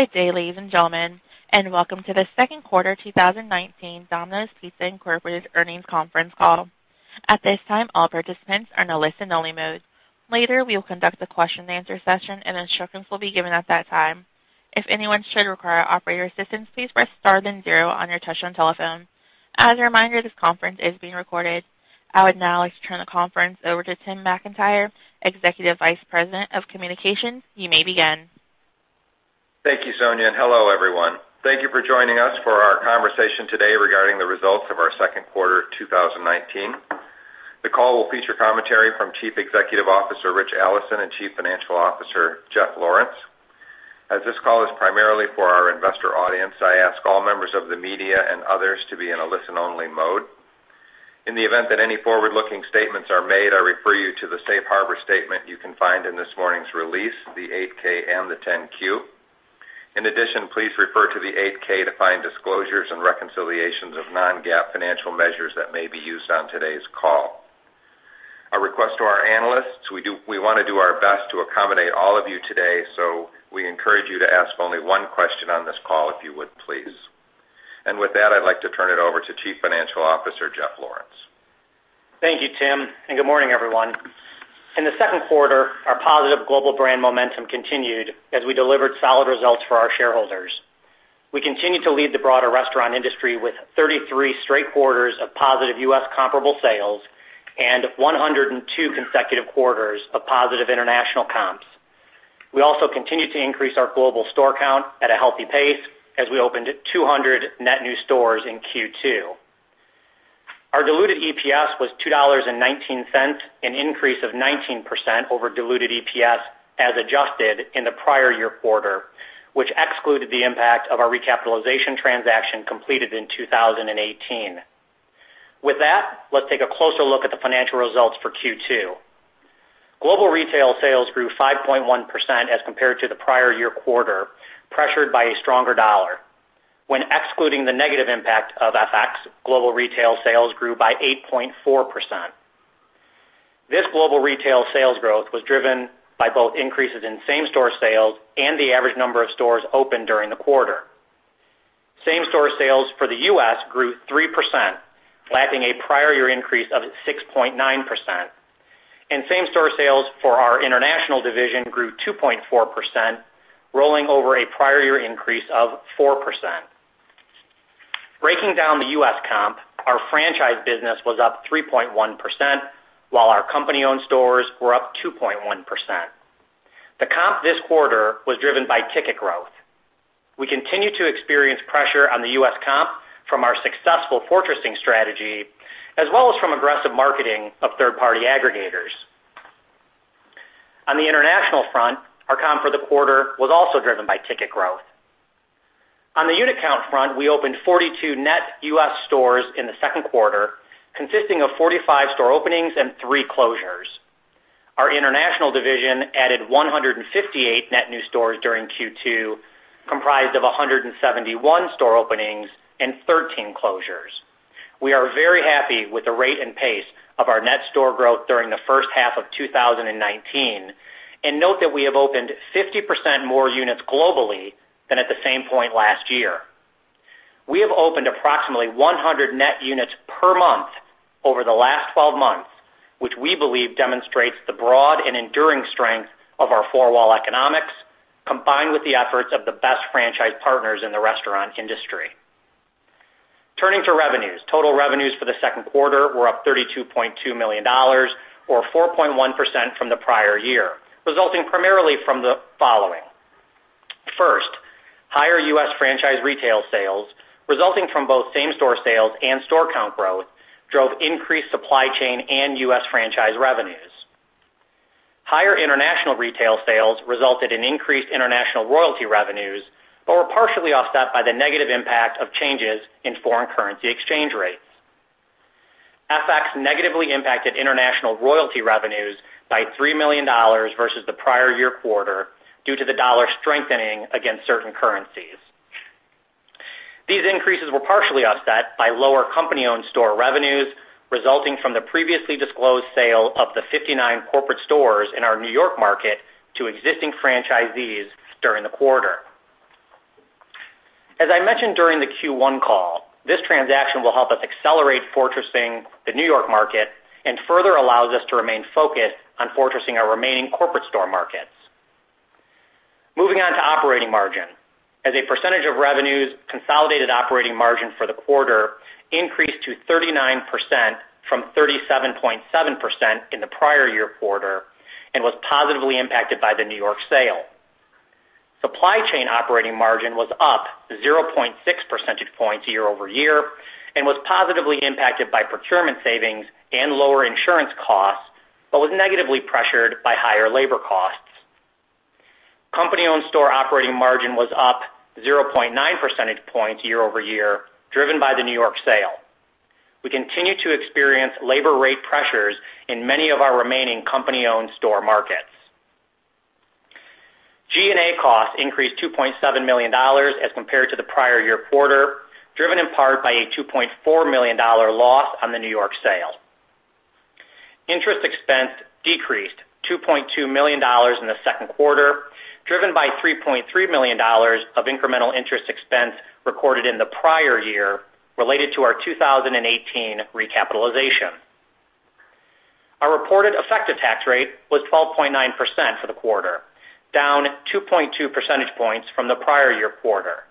Good day, ladies and gentlemen, and welcome to the second quarter 2019 Domino's Pizza, Inc. earnings conference call. At this time, all participants are in a listen-only mode. Later, we will conduct a question-and-answer session, and instructions will be given at that time. If anyone should require operator assistance, please press star then zero on your touchtone telephone. As a reminder, this conference is being recorded. I would now like to turn the conference over to Tim McIntyre, Executive Vice President of Communications. You may begin. Thank you, Sonia, and hello, everyone. Thank you for joining us for our conversation today regarding the results of our second quarter 2019. The call will feature commentary from Chief Executive Officer, Ritch Allison, and Chief Financial Officer, Jeff Lawrence. As this call is primarily for our investor audience, I ask all members of the media and others to be in a listen-only mode. In the event that any forward-looking statements are made, I refer you to the safe harbor statement you can find in this morning's release, the 8-K and the 10-Q. In addition, please refer to the 8-K to find disclosures and reconciliations of non-GAAP financial measures that may be used on today's call. A request to our analysts, we want to do our best to accommodate all of you today, we encourage you to ask only one question on this call, if you would, please. With that, I'd like to turn it over to Chief Financial Officer, Jeff Lawrence. Thank you, Tim, and good morning, everyone. In the second quarter, our positive global brand momentum continued as we delivered solid results for our shareholders. We continue to lead the broader restaurant industry with 33 straight quarters of positive U.S. comparable sales and 102 consecutive quarters of positive international comps. We also continue to increase our global store count at a healthy pace as we opened 200 net new stores in Q2. Our diluted EPS was $2.19, an increase of 19% over diluted EPS as adjusted in the prior year quarter, which excluded the impact of our recapitalization transaction completed in 2018. With that, let's take a closer look at the financial results for Q2. Global retail sales grew 5.1% as compared to the prior year quarter, pressured by a stronger dollar. When excluding the negative impact of FX, global retail sales grew by 8.4%. This global retail sales growth was driven by both increases in same-store sales and the average number of stores opened during the quarter. Same-store sales for the U.S. grew 3%, lapping a prior year increase of 6.9%. Same-store sales for our international division grew 2.4%, rolling over a prior year increase of 4%. Breaking down the U.S. comp, our franchise business was up 3.1%, while our company-owned stores were up 2.1%. The comp this quarter was driven by ticket growth. We continue to experience pressure on the U.S. comp from our successful fortressing strategy, as well as from aggressive marketing of third-party aggregators. On the international front, our comp for the quarter was also driven by ticket growth. On the unit count front, we opened 42 net U.S. stores in the second quarter, consisting of 45 store openings and three closures. Our international division added 158 net new stores during Q2, comprised of 171 store openings and 13 closures. We are very happy with the rate and pace of our net store growth during the first half of 2019. Note that we have opened 50% more units globally than at the same point last year. We have opened approximately 100 net units per month over the last 12 months, which we believe demonstrates the broad and enduring strength of our four-wall economics, combined with the efforts of the best franchise partners in the restaurant industry. Turning to revenues. Total revenues for the second quarter were up $32.2 million, or 4.1% from the prior year, resulting primarily from the following. First, higher U.S. franchise retail sales, resulting from both same-store sales and store count growth, drove increased supply chain and U.S. franchise revenues. Higher international retail sales resulted in increased international royalty revenues, but were partially offset by the negative impact of changes in foreign currency exchange rates. FX negatively impacted international royalty revenues by $3 million versus the prior year quarter due to the dollar strengthening against certain currencies. These increases were partially offset by lower company-owned store revenues, resulting from the previously disclosed sale of the 59 corporate stores in our N.Y. market to existing franchisees during the quarter. As I mentioned during the Q1 call, this transaction will help us accelerate fortressing the N.Y. market and further allows us to remain focused on fortressing our remaining corporate store markets. Moving on to operating margin. As a percentage of revenues, consolidated operating margin for the quarter increased to 39% from 37.7% in the prior year quarter and was positively impacted by the N.Y. sale. Supply chain operating margin was up 0.6 percentage points year-over-year and was positively impacted by procurement savings and lower insurance costs, but was negatively pressured by higher labor costs. Company-owned store operating margin was up 0.9 percentage points year-over-year, driven by the N.Y. sale. We continue to experience labor rate pressures in many of our remaining company-owned store markets. G&A costs increased $2.7 million as compared to the prior year quarter, driven in part by a $2.4 million loss on the N.Y. sale. Interest expense decreased $2.2 million in the second quarter, driven by $3.3 million of incremental interest expense recorded in the prior year related to our 2018 recapitalization. Our reported effective tax rate was 12.9% for the quarter, down 2.2 percentage points from the prior year quarter.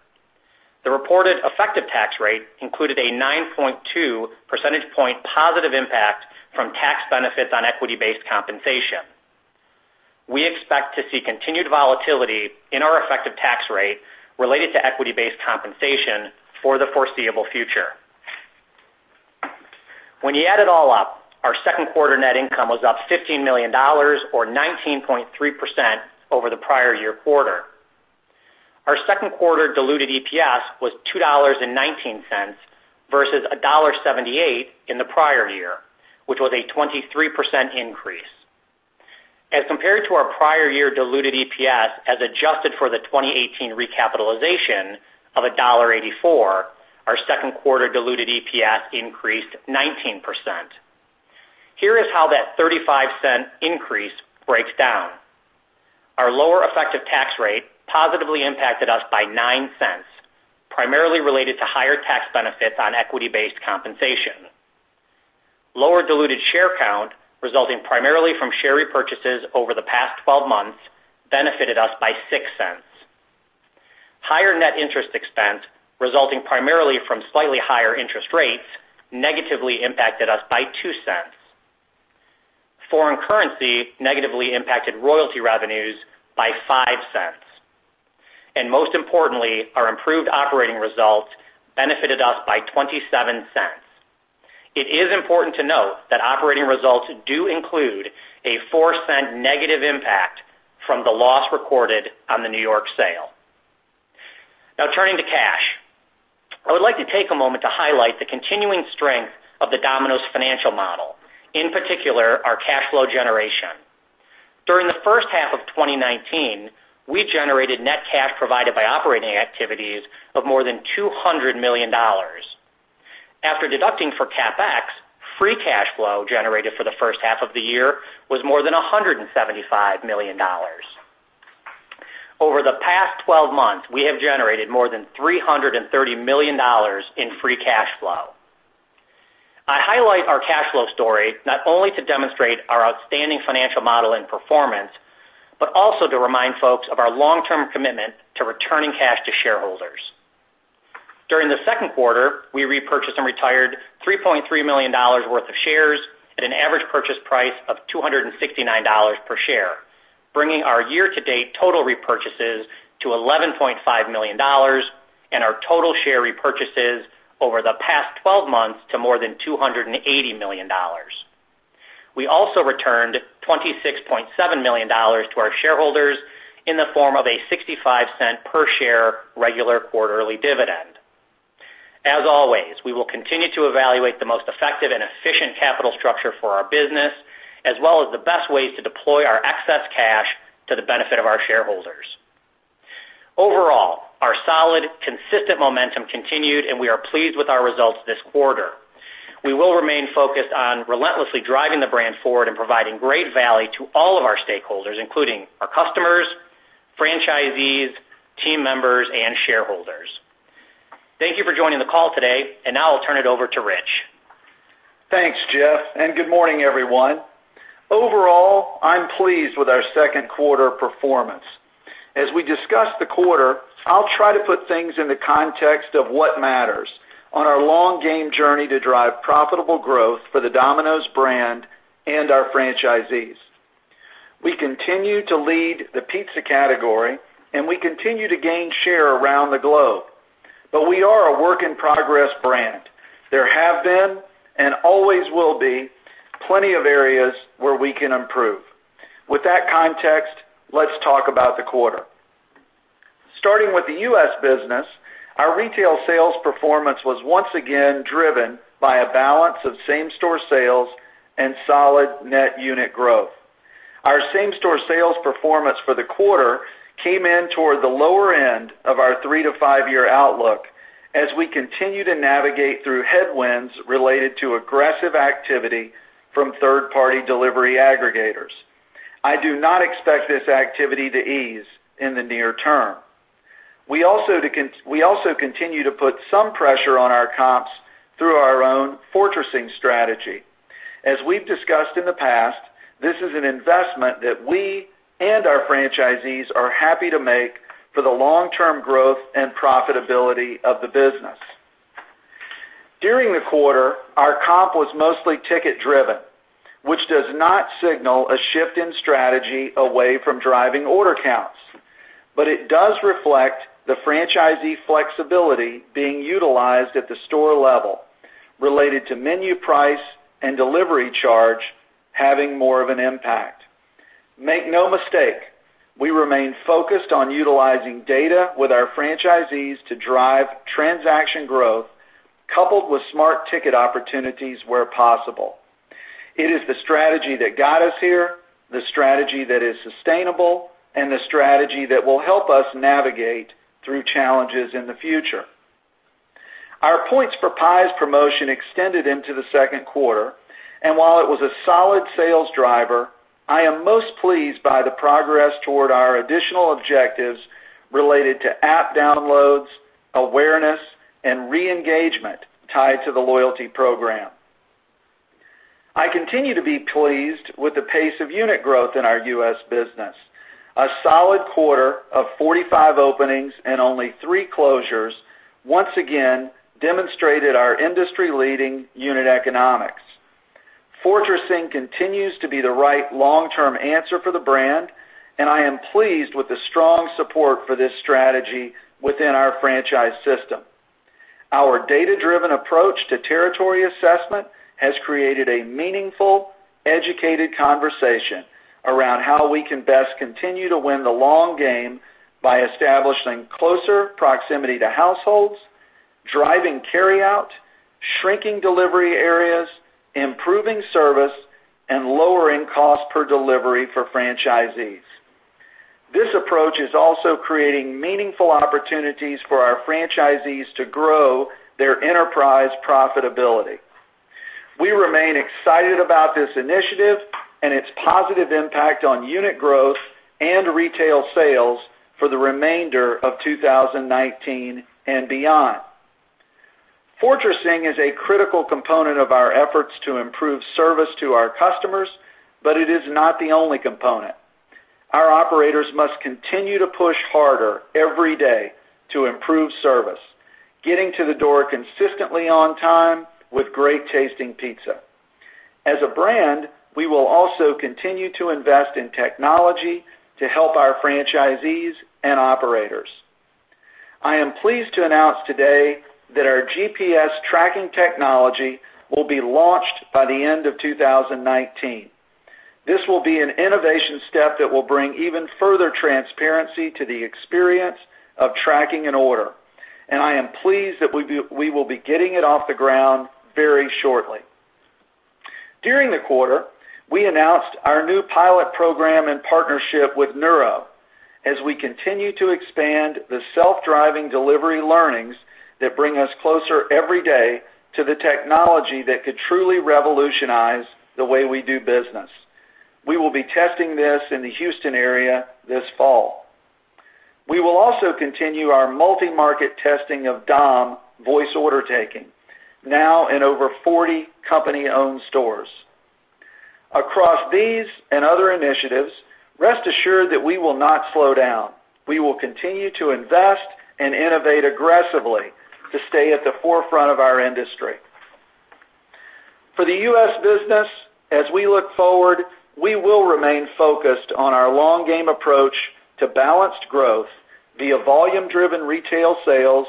The reported effective tax rate included a 9.2 percentage point positive impact from tax benefits on equity-based compensation. We expect to see continued volatility in our effective tax rate related to equity-based compensation for the foreseeable future. When you add it all up, our second quarter net income was up $15 million, or 19.3% over the prior year quarter. Our second quarter diluted EPS was $2.19 versus $1.78 in the prior year, which was a 23% increase. As compared to our prior year diluted EPS as adjusted for the 2018 recapitalization of $1.84, our second quarter diluted EPS increased 19%. Here is how that $0.35 increase breaks down. Our lower effective tax rate positively impacted us by $0.09, primarily related to higher tax benefits on equity-based compensation. Lower diluted share count resulting primarily from share repurchases over the past 12 months benefited us by $0.06. Higher net interest expense resulting primarily from slightly higher interest rates negatively impacted us by $0.02. Foreign currency negatively impacted royalty revenues by $0.05. Most importantly, our improved operating results benefited us by $0.27. It is important to note that operating results do include a $0.04 negative impact from the loss recorded on the New York sale. Turning to cash. I would like to take a moment to highlight the continuing strength of the Domino's financial model. In particular, our cash flow generation. During the first half of 2019, we generated net cash provided by operating activities of more than $200 million. After deducting for CapEx, free cash flow generated for the first half of the year was more than $175 million. Over the past 12 months, we have generated more than $330 million in free cash flow. I highlight our cash flow story not only to demonstrate our outstanding financial model and performance, but also to remind folks of our long-term commitment to returning cash to shareholders. During the second quarter, we repurchased and retired $3.3 million worth of shares at an average purchase price of $269 per share, bringing our year-to-date total repurchases to $11.5 million and our total share repurchases over the past 12 months to more than $280 million. We also returned $26.7 million to our shareholders in the form of a $0.65 per share regular quarterly dividend. As always, we will continue to evaluate the most effective and efficient capital structure for our business, as well as the best ways to deploy our excess cash to the benefit of our shareholders. Overall, our solid, consistent momentum continued, and we are pleased with our results this quarter. We will remain focused on relentlessly driving the brand forward and providing great value to all of our stakeholders, including our customers, franchisees, team members and shareholders. Thank you for joining the call today. Now I'll turn it over to Ritch. Thanks, Jeff, good morning, everyone. Overall, I'm pleased with our second quarter performance. As we discuss the quarter, I'll try to put things in the context of what matters on our long game journey to drive profitable growth for the Domino's brand and our franchisees. We continue to lead the pizza category and we continue to gain share around the globe. We are a work in progress brand. There have been and always will be plenty of areas where we can improve. With that context, let's talk about the quarter. Starting with the U.S. business, our retail sales performance was once again driven by a balance of same-store sales and solid net unit growth. Our same-store sales performance for the quarter came in toward the lower end of our three to five year outlook as we continue to navigate through headwinds related to aggressive activity from third-party delivery aggregators. I do not expect this activity to ease in the near term. We also continue to put some pressure on our comps through our own fortressing strategy. As we've discussed in the past, this is an investment that we and our franchisees are happy to make for the long-term growth and profitability of the business. During the quarter, our comp was mostly ticket driven, which does not signal a shift in strategy away from driving order counts. It does reflect the franchisee flexibility being utilized at the store level related to menu price and delivery charge having more of an impact. Make no mistake, we remain focused on utilizing data with our franchisees to drive transaction growth coupled with smart ticket opportunities where possible. It is the strategy that got us here, the strategy that is sustainable, and the strategy that will help us navigate through challenges in the future. Our Points for Pies promotion extended into the second quarter, and while it was a solid sales driver, I am most pleased by the progress toward our additional objectives related to app downloads, awareness, and re-engagement tied to the loyalty program. I continue to be pleased with the pace of unit growth in our U.S. business. A solid quarter of 45 openings and only three closures once again demonstrated our industry-leading unit economics. Fortressing continues to be the right long-term answer for the brand, and I am pleased with the strong support for this strategy within our franchise system. Our data-driven approach to territory assessment has created a meaningful, educated conversation around how we can best continue to win the long game by establishing closer proximity to households, driving carryout, shrinking delivery areas, improving service, and lowering cost per delivery for franchisees. This approach is also creating meaningful opportunities for our franchisees to grow their enterprise profitability. We remain excited about this initiative and its positive impact on unit growth and retail sales for the remainder of 2019 and beyond. Fortressing is a critical component of our efforts to improve service to our customers, but it is not the only component. Our operators must continue to push harder every day to improve service, getting to the door consistently on time with great-tasting pizza. As a brand, we will also continue to invest in technology to help our franchisees and operators. I am pleased to announce today that our GPS tracking technology will be launched by the end of 2019. This will be an innovation step that will bring even further transparency to the experience of tracking an order, and I am pleased that we will be getting it off the ground very shortly. During the quarter, we announced our new pilot program and partnership with Nuro, as we continue to expand the self-driving delivery learnings that bring us closer every day to the technology that could truly revolutionize the way we do business. We will be testing this in the Houston area this fall. We will also continue our multi-market testing of DOM voice order taking, now in over 40 company-owned stores. Across these and other initiatives, rest assured that we will not slow down. We will continue to invest and innovate aggressively to stay at the forefront of our industry. For the U.S. business, as we look forward, we will remain focused on our long game approach to balanced growth via volume-driven retail sales,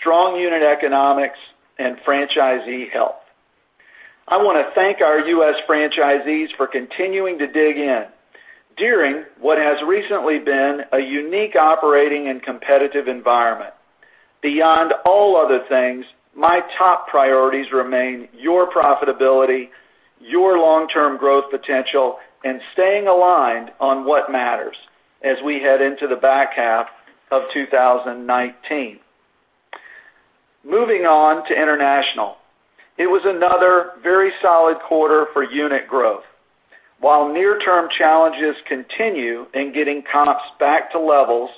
strong unit economics, and franchisee health. I want to thank our U.S. franchisees for continuing to dig in during what has recently been a unique operating and competitive environment. Beyond all other things, my top priorities remain your profitability, your long-term growth potential, and staying aligned on what matters as we head into the back half of 2019. Moving on to international. It was another very solid quarter for unit growth. While near-term challenges continue in getting comps back to levels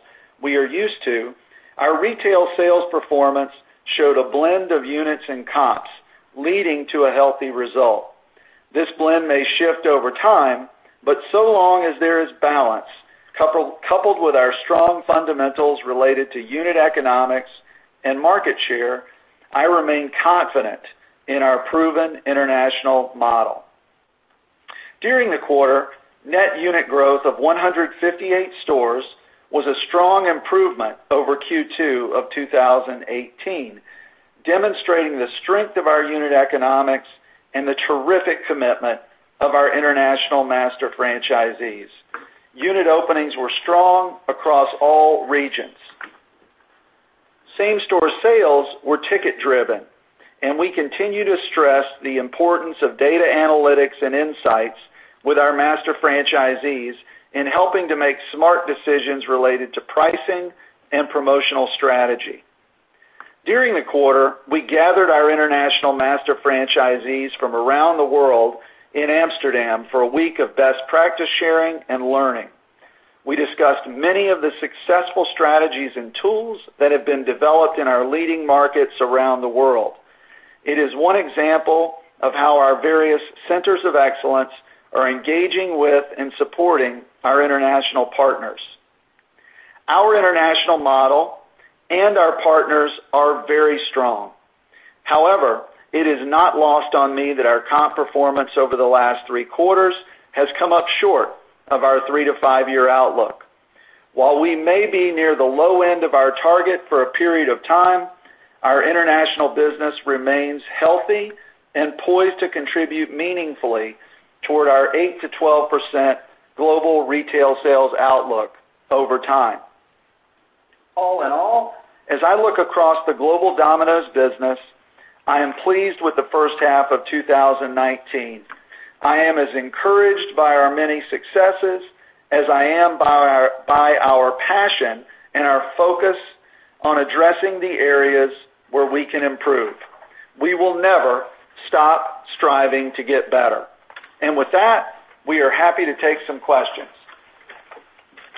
we are used to, our retail sales performance showed a blend of units and comps, leading to a healthy result. So long as there is balance, coupled with our strong fundamentals related to unit economics and market share, I remain confident in our proven international model. During the quarter, net unit growth of 158 stores was a strong improvement over Q2 of 2018, demonstrating the strength of our unit economics and the terrific commitment of our international master franchisees. Unit openings were strong across all regions. Same-store sales were ticket-driven, and we continue to stress the importance of data analytics and insights with our master franchisees in helping to make smart decisions related to pricing and promotional strategy. During the quarter, we gathered our international master franchisees from around the world in Amsterdam for a week of best practice sharing and learning. We discussed many of the successful strategies and tools that have been developed in our leading markets around the world. It is one example of how our various centers of excellence are engaging with and supporting our international partners. Our international model and our partners are very strong. However, it is not lost on me that our comp performance over the last three quarters has come up short of our three-to-five-year outlook. While we may be near the low end of our target for a period of time, our international business remains healthy and poised to contribute meaningfully toward our 8%-12% global retail sales outlook over time. All in all, as I look across the global Domino's business, I am pleased with the first half of 2019. I am as encouraged by our many successes as I am by our passion and our focus on addressing the areas where we can improve. We will never stop striving to get better. With that, we are happy to take some questions.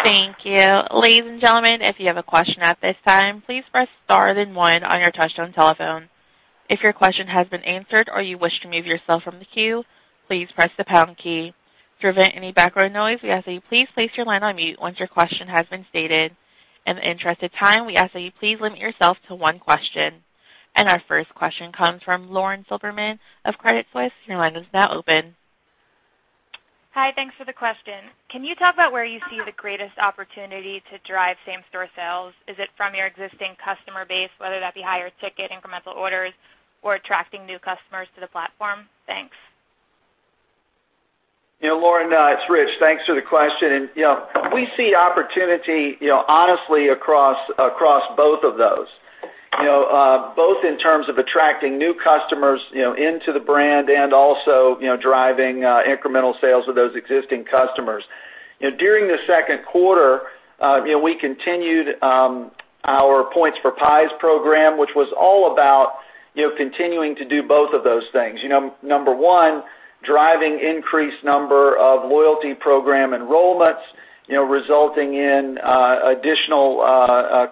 Thank you. Ladies and gentlemen, if you have a question at this time, please press star then one on your touch-tone telephone. If your question has been answered or you wish to remove yourself from the queue, please press the pound key. To prevent any background noise, we ask that you please place your line on mute once your question has been stated. In the interest of time, we ask that you please limit yourself to one question. Our first question comes from Lauren Silberman of Credit Suisse. Your line is now open. Hi, thanks for the question. Can you talk about where you see the greatest opportunity to drive same-store sales? Is it from your existing customer base, whether that be higher ticket incremental orders or attracting new customers to the platform? Thanks. Lauren, it's Ritch. Thanks for the question. We see opportunity honestly across both of those. Both in terms of attracting new customers into the brand and also driving incremental sales of those existing customers. During the second quarter, we continued our Points for Pies program, which was all about continuing to do both of those things. Number one, driving increased number of loyalty program enrollments, resulting in additional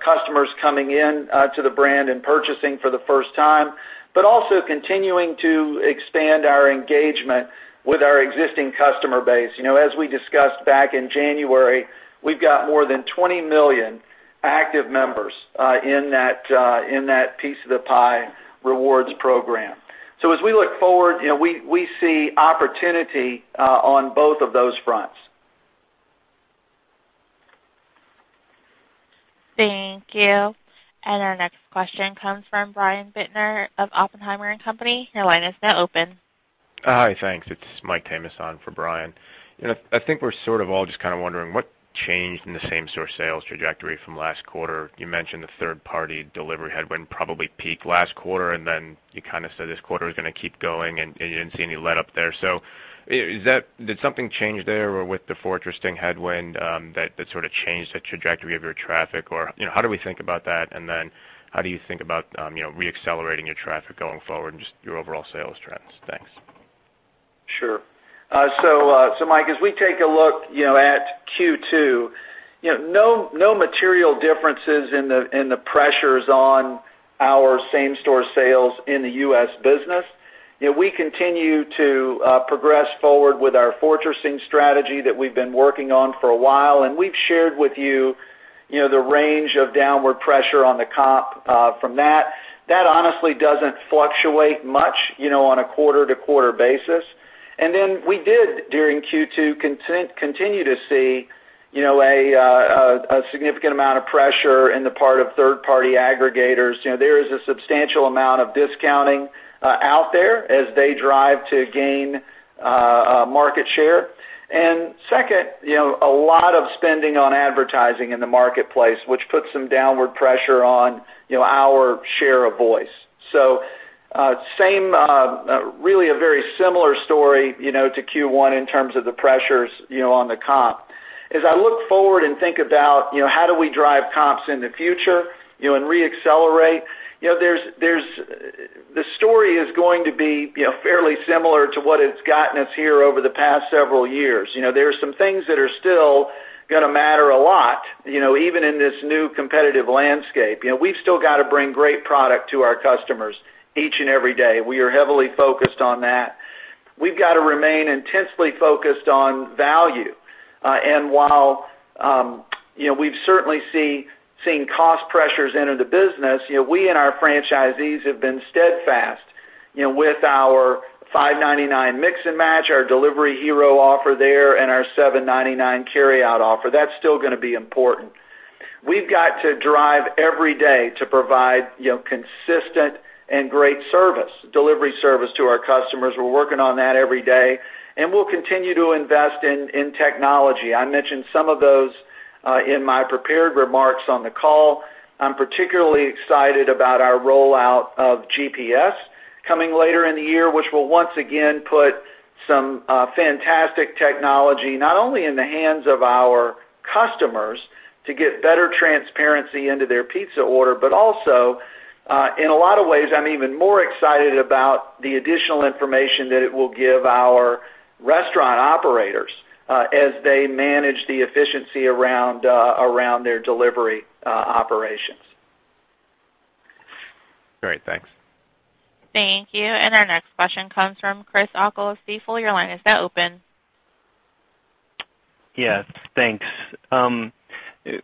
customers coming in to the brand and purchasing for the first time. Also continuing to expand our engagement with our existing customer base. As we discussed back in January, we've got more than 20 million active members in that Piece of the Pie Rewards program. As we look forward, we see opportunity on both of those fronts. Thank you. Our next question comes from Brian Bittner of Oppenheimer & Co. Your line is now open. Hi, thanks. It's Mike Tamas for Brian. I think we're sort of all just kind of wondering what changed in the same-store sales trajectory from last quarter. You mentioned the third-party delivery headwind probably peaked last quarter, then you kind of said this quarter is going to keep going, and you didn't see any letup there. Did something change there or with the fortressing headwind that sort of changed the trajectory of your traffic, or how do we think about that? How do you think about re-accelerating your traffic going forward and just your overall sales trends? Thanks. Sure. Mike, as we take a look at Q2, no material differences in the pressures on our same-store sales in the U.S. business. We continue to progress forward with our fortressing strategy that we've been working on for a while, and we've shared with you the range of downward pressure on the comp from that. That honestly doesn't fluctuate much on a quarter-to-quarter basis. We did, during Q2, continue to see a significant amount of pressure in the part of third-party aggregators. There is a substantial amount of discounting out there as they drive to gain market share. Second, a lot of spending on advertising in the marketplace, which puts some downward pressure on our share of voice. Really a very similar story to Q1 in terms of the pressures on the comp. As I look forward and think about how do we drive comps in the future and re-accelerate, the story is going to be fairly similar to what it's gotten us here over the past several years. There are some things that are still going to matter a lot, even in this new competitive landscape. We've still got to bring great product to our customers each and every day. We are heavily focused on that. We've got to remain intensely focused on value. While we've certainly seen cost pressures enter the business, we and our franchisees have been steadfast with our $5.99 mix and match, our Delivery Hero offer there, and our $7.99 carryout offer. That's still going to be important. We've got to drive every day to provide consistent and great delivery service to our customers. We're working on that every day, and we'll continue to invest in technology. I mentioned some of those in my prepared remarks on the call. I'm particularly excited about our rollout of GPS coming later in the year, which will once again put some fantastic technology, not only in the hands of our customers to get better transparency into their pizza order, but also in a lot of ways, I'm even more excited about the additional information that it will give our restaurant operators as they manage the efficiency around their delivery operations. Great. Thanks. Thank you. Our next question comes from Chris O'Cull of Stifel. Your line is now open. Yes. Thanks.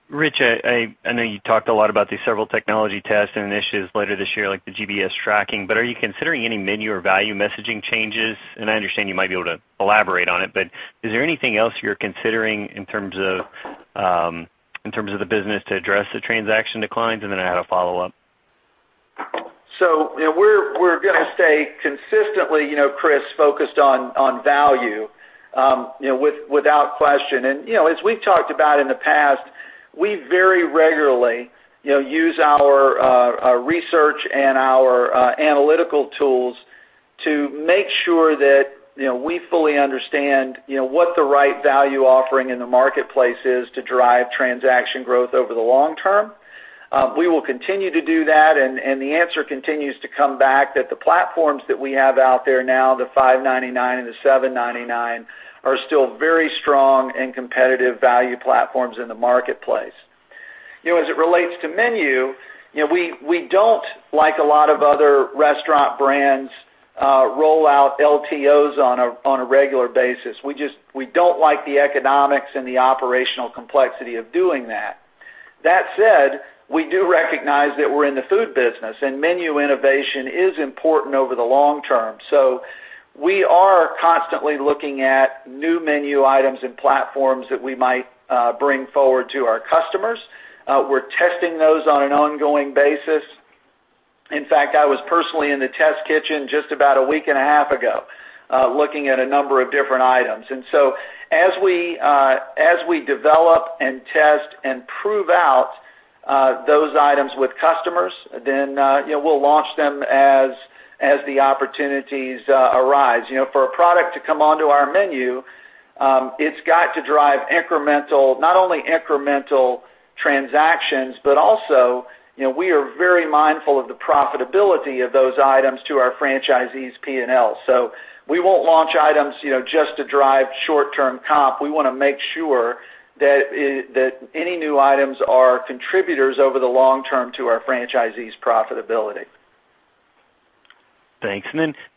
Ritch, I know you talked a lot about these several technology tests and initiatives later this year, like the GPS tracking, are you considering any menu or value messaging changes? I understand you might be able to elaborate on it, but is there anything else you're considering in terms of the business to address the transaction declines? I had a follow-up We're going to stay consistently, Chris, focused on value without question. As we've talked about in the past, we very regularly use our research and our analytical tools to make sure that we fully understand what the right value offering in the marketplace is to drive transaction growth over the long term. We will continue to do that, the answer continues to come back that the platforms that we have out there now, the $5.99 and the $7.99, are still very strong and competitive value platforms in the marketplace. As it relates to menu, we don't, like a lot of other restaurant brands, roll out LTOs on a regular basis. We don't like the economics and the operational complexity of doing that. That said, we do recognize that we're in the food business, and menu innovation is important over the long term. We are constantly looking at new menu items and platforms that we might bring forward to our customers. We're testing those on an ongoing basis. In fact, I was personally in the test kitchen just about a week and a half ago, looking at a number of different items. As we develop and test and prove out those items with customers, we'll launch them as the opportunities arise. For a product to come onto our menu, it's got to drive not only incremental transactions, but also, we are very mindful of the profitability of those items to our franchisees' P&L. We won't launch items just to drive short-term comp. We want to make sure that any new items are contributors over the long term to our franchisees' profitability. Thanks.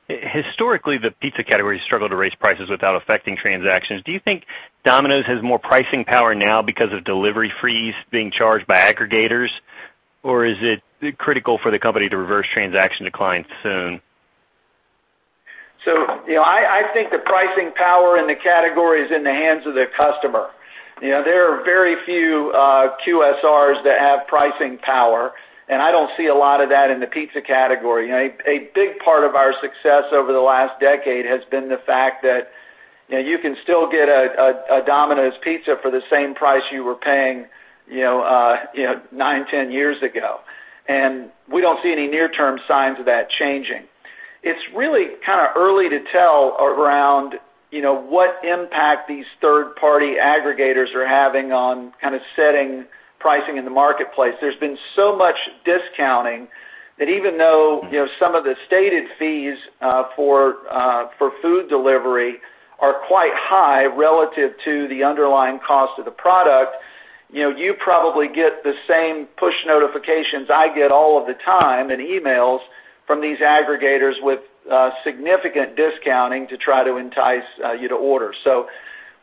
Historically, the pizza category has struggled to raise prices without affecting transactions. Do you think Domino's has more pricing power now because of delivery fees being charged by aggregators? Or is it critical for the company to reverse transaction declines soon? I think the pricing power in the category is in the hands of the customer. There are very few QSRs that have pricing power, and I don't see a lot of that in the pizza category. A big part of our success over the last decade has been the fact that you can still get a Domino's pizza for the same price you were paying nine, 10 years ago. We don't see any near-term signs of that changing. It's really kind of early to tell around what impact these third-party aggregators are having on kind of setting pricing in the marketplace. There's been so much discounting that even though some of the stated fees for food delivery are quite high relative to the underlying cost of the product, you probably get the same push notifications I get all of the time and emails from these aggregators with significant discounting to try to entice you to order.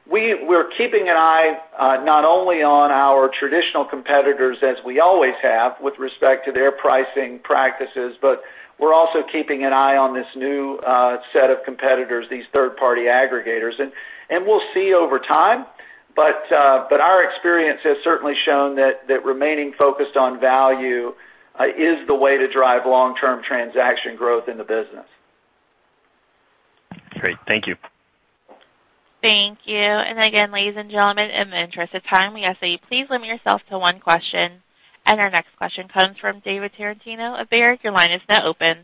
We're keeping an eye not only on our traditional competitors as we always have with respect to their pricing practices, but we're also keeping an eye on this new set of competitors, these third-party aggregators. We'll see over time, but our experience has certainly shown that remaining focused on value is the way to drive long-term transaction growth in the business. Great. Thank you. Thank you. Again, ladies and gentlemen, in the interest of time, we ask that you please limit yourself to one question. Our next question comes from David Tarantino of Baird. Your line is now open.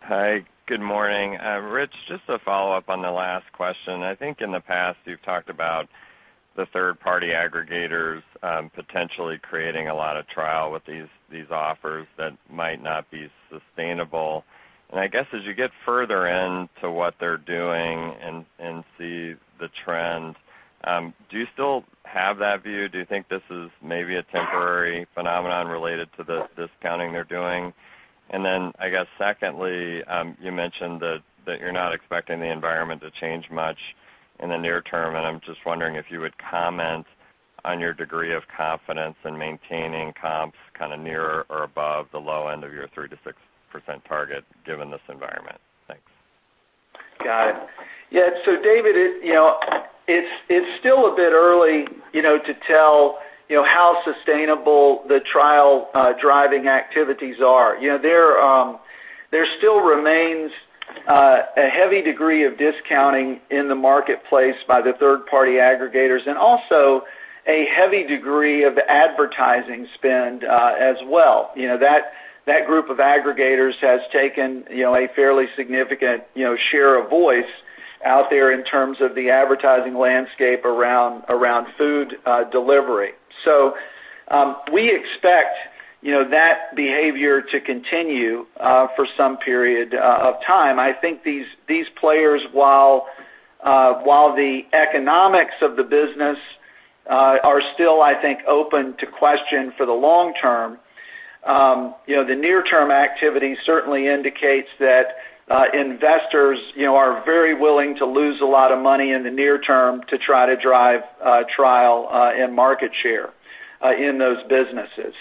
Hi. Good morning. Ritch, just to follow up on the last question. I think in the past you've talked about the third-party aggregators potentially creating a lot of trial with these offers that might not be sustainable. I guess as you get further into what they're doing and see the trend, do you still have that view? Do you think this is maybe a temporary phenomenon related to the discounting they're doing? Then, I guess secondly, you mentioned that you're not expecting the environment to change much in the near term, and I'm just wondering if you would comment on your degree of confidence in maintaining comps kind of near or above the low end of your 3%-6% target given this environment. Thanks. Got it. Yeah. David, it's still a bit early to tell how sustainable the trial-driving activities are. There still remains a heavy degree of discounting in the marketplace by the third-party aggregators, and also a heavy degree of advertising spend as well. That group of aggregators has taken a fairly significant share of voice out there in terms of the advertising landscape around food delivery. We expect that behavior to continue for some period of time. I think these players, while the economics of the business are still, I think, open to question for the long term, the near-term activity certainly indicates that investors are very willing to lose a lot of money in the near term to try to drive trial and market share in those businesses.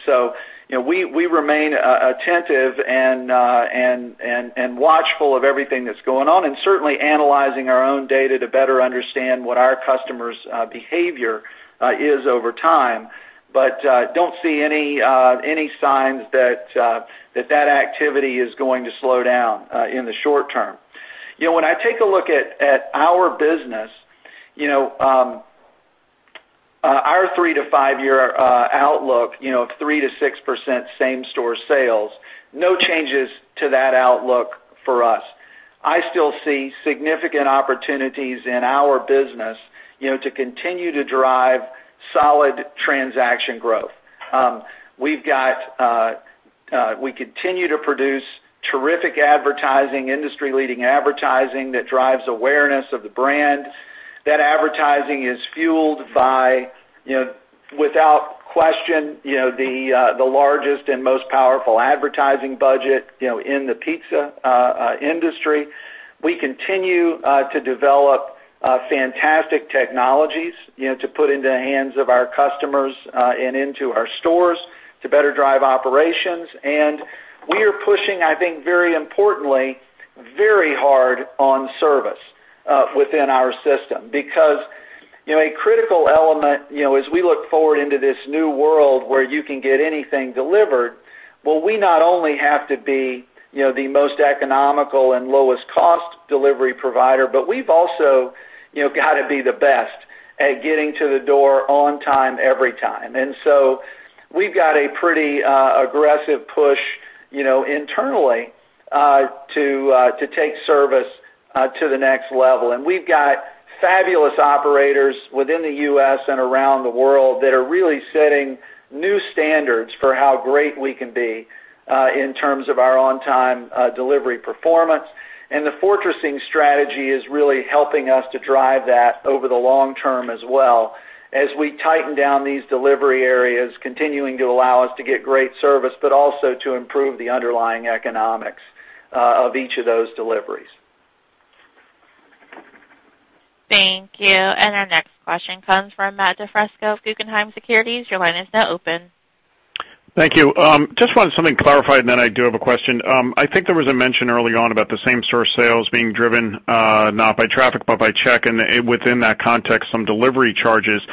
We remain attentive and watchful of everything that's going on, and certainly analyzing our own data to better understand what our customers' behavior is over time, but don't see any signs that activity is going to slow down in the short term. When I take a look at our business, our three to five outlook, 3%-6% same-store sales, no changes to that outlook for us. I still see significant opportunities in our business, to continue to drive solid transaction growth. We continue to produce terrific advertising, industry-leading advertising that drives awareness of the brand. That advertising is fueled by, without question, the largest and most powerful advertising budget in the pizza industry. We continue to develop fantastic technologies, to put into the hands of our customers, and into our stores to better drive operations. We are pushing, I think, very importantly, very hard on service within our system, because a critical element as we look forward into this new world where you can get anything delivered, well, we not only have to be the most economical and lowest cost delivery provider, but we've also got to be the best at getting to the door on time, every time. We've got a pretty aggressive push internally to take service to the next level. We've got fabulous operators within the U.S. and around the world that are really setting new standards for how great we can be in terms of our on-time delivery performance. The fortressing strategy is really helping us to drive that over the long term as well, as we tighten down these delivery areas, continuing to allow us to get great service, but also to improve the underlying economics of each of those deliveries. Thank you. Our next question comes from Matt DiFrisco of Guggenheim Securities. Your line is now open. Thank you. Just wanted something clarified, I do have a question. I think there was a mention early on about the same-store sales being driven, not by traffic, but by check and within that context, some delivery charges.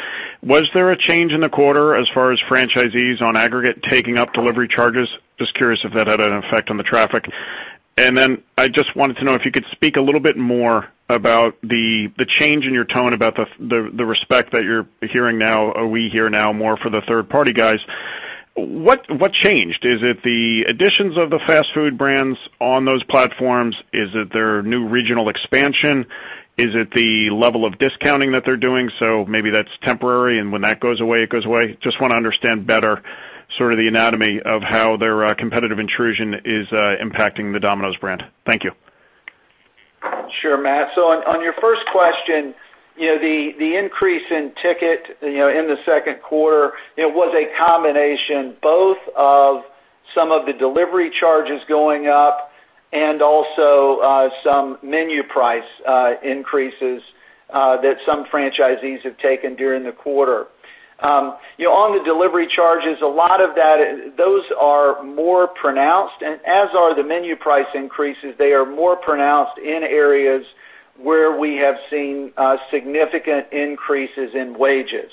Was there a change in the quarter as far as franchisees on aggregate taking up delivery charges? Just curious if that had an effect on the traffic. I just wanted to know if you could speak a little bit more about the change in your tone about the respect that you're hearing now, or we hear now more for the third-party guys. What changed? Is it the additions of the fast food brands on those platforms? Is it their new regional expansion? Is it the level of discounting that they're doing? Maybe that's temporary, and when that goes away, it goes away. Just want to understand better sort of the anatomy of how their competitive intrusion is impacting the Domino's brand. Thank you. Sure, Matt. On your first question, the increase in ticket in the second quarter, it was a combination both of some of the delivery charges going up and also some menu price increases that some franchisees have taken during the quarter. On the delivery charges, those are more pronounced and as are the menu price increases, they are more pronounced in areas where we have seen significant increases in wages.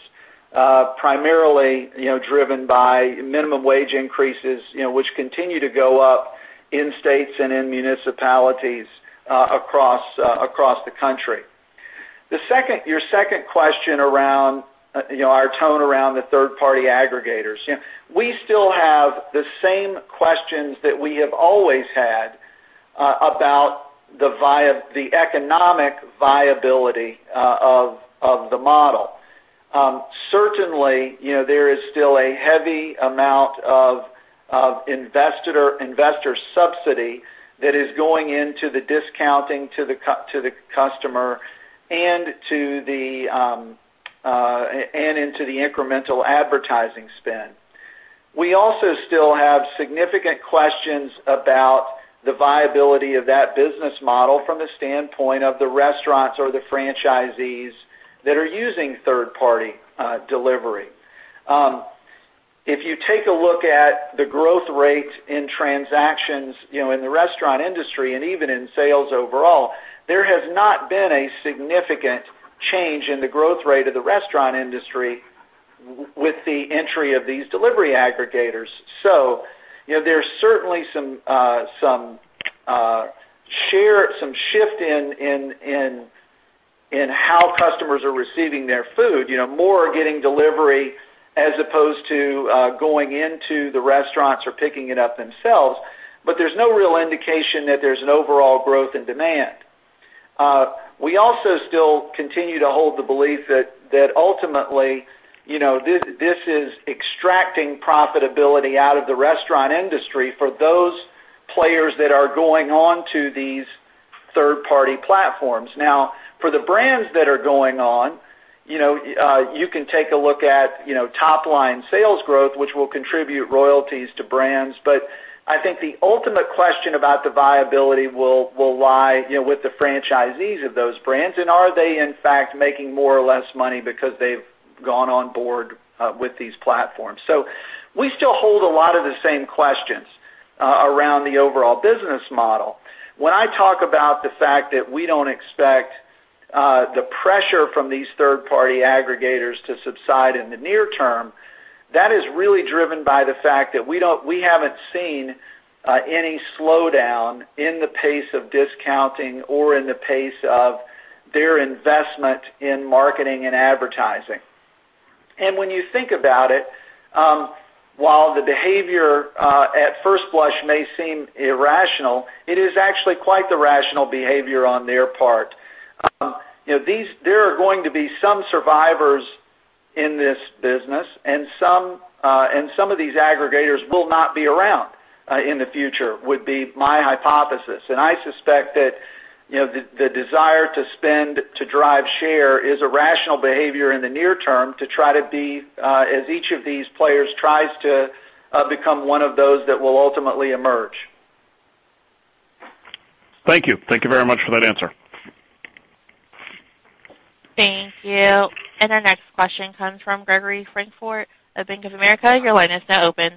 Primarily, driven by minimum wage increases, which continue to go up in states and in municipalities across the country. Your second question around our tone around the third-party aggregators. We still have the same questions that we have always had about the economic viability of the model. Certainly, there is still a heavy amount of investor subsidy that is going into the discounting to the customer and into the incremental advertising spend. We also still have significant questions about the viability of that business model from the standpoint of the restaurants or the franchisees that are using third-party delivery. If you take a look at the growth rate in transactions in the restaurant industry and even in sales overall, there has not been a significant change in the growth rate of the restaurant industry with the entry of these delivery aggregators. There's certainly some shift in how customers are receiving their food, more are getting delivery as opposed to going into the restaurants or picking it up themselves. There's no real indication that there's an overall growth in demand. We also still continue to hold the belief that ultimately, this is extracting profitability out of the restaurant industry for those players that are going onto these third-party platforms. For the brands that are going on, you can take a look at top-line sales growth, which will contribute royalties to brands. I think the ultimate question about the viability will lie with the franchisees of those brands, and are they in fact making more or less money because they've gone on board with these platforms. We still hold a lot of the same questions around the overall business model. When I talk about the fact that we don't expect The pressure from these third-party aggregators to subside in the near term, that is really driven by the fact that we haven't seen any slowdown in the pace of discounting or in the pace of their investment in marketing and advertising. When you think about it, while the behavior at first blush may seem irrational, it is actually quite the rational behavior on their part. There are going to be some survivors in this business, and some of these aggregators will not be around in the future, would be my hypothesis. I suspect that the desire to spend to drive share is a rational behavior in the near term, as each of these players tries to become one of those that will ultimately emerge. Thank you. Thank you very much for that answer. Thank you. Our next question comes from Gregory Francfort of Bank of America. Your line is now open.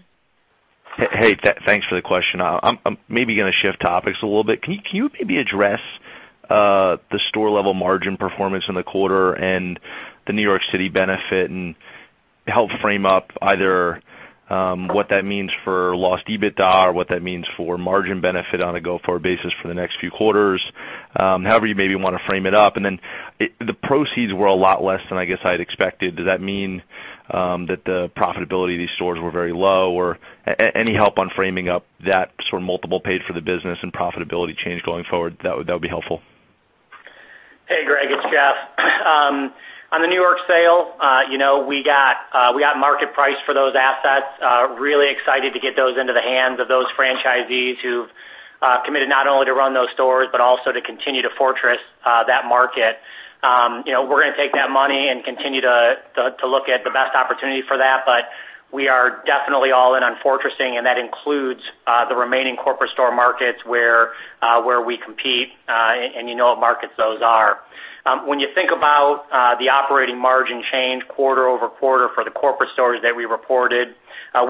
Hey, thanks for the question. I'm maybe going to shift topics a little bit. Can you maybe address the store-level margin performance in the quarter and the New York City benefit, and help frame up either what that means for lost EBITDA or what that means for margin benefit on a go-forward basis for the next few quarters? However you maybe want to frame it up. Then the proceeds were a lot less than I guess I'd expected. Does that mean that the profitability of these stores were very low? Or any help on framing up that sort of multiple paid for the business and profitability change going forward, that would be helpful. Hey, Greg, it's Jeff. On the New York sale, we got market price for those assets, really excited to get those into the hands of those franchisees who've committed not only to run those stores but also to continue to fortress that market. We're going to take that money and continue to look at the best opportunity for that. We are definitely all in on fortressing, and that includes the remaining corporate store markets where we compete, and you know what markets those are. When you think about the operating margin change quarter-over-quarter for the corporate stores that we reported,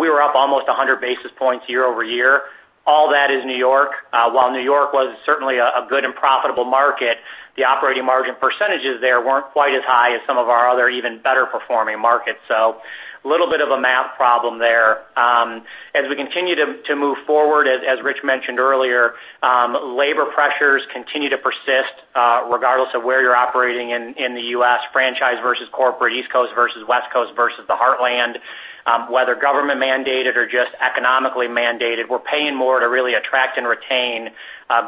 we were up almost 100 basis points year-over-year. All that is New York. While New York was certainly a good and profitable market, the operating margin percentages there weren't quite as high as some of our other even better-performing markets. A little bit of a math problem there. As we continue to move forward, as Rich mentioned earlier, labor pressures continue to persist regardless of where you're operating in the U.S., franchise versus corporate, East Coast versus West Coast versus the Heartland. Whether government mandated or just economically mandated, we're paying more to really attract and retain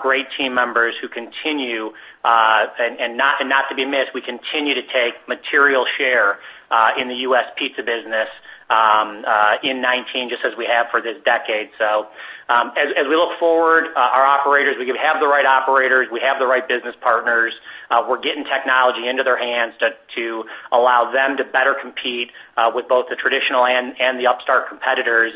great team members who continue, and not to be missed, we continue to take material share in the U.S. pizza business in 2019, just as we have for this decade. As we look forward, our operators, we have the right operators, we have the right business partners. We're getting technology into their hands to allow them to better compete with both the traditional and the upstart competitors.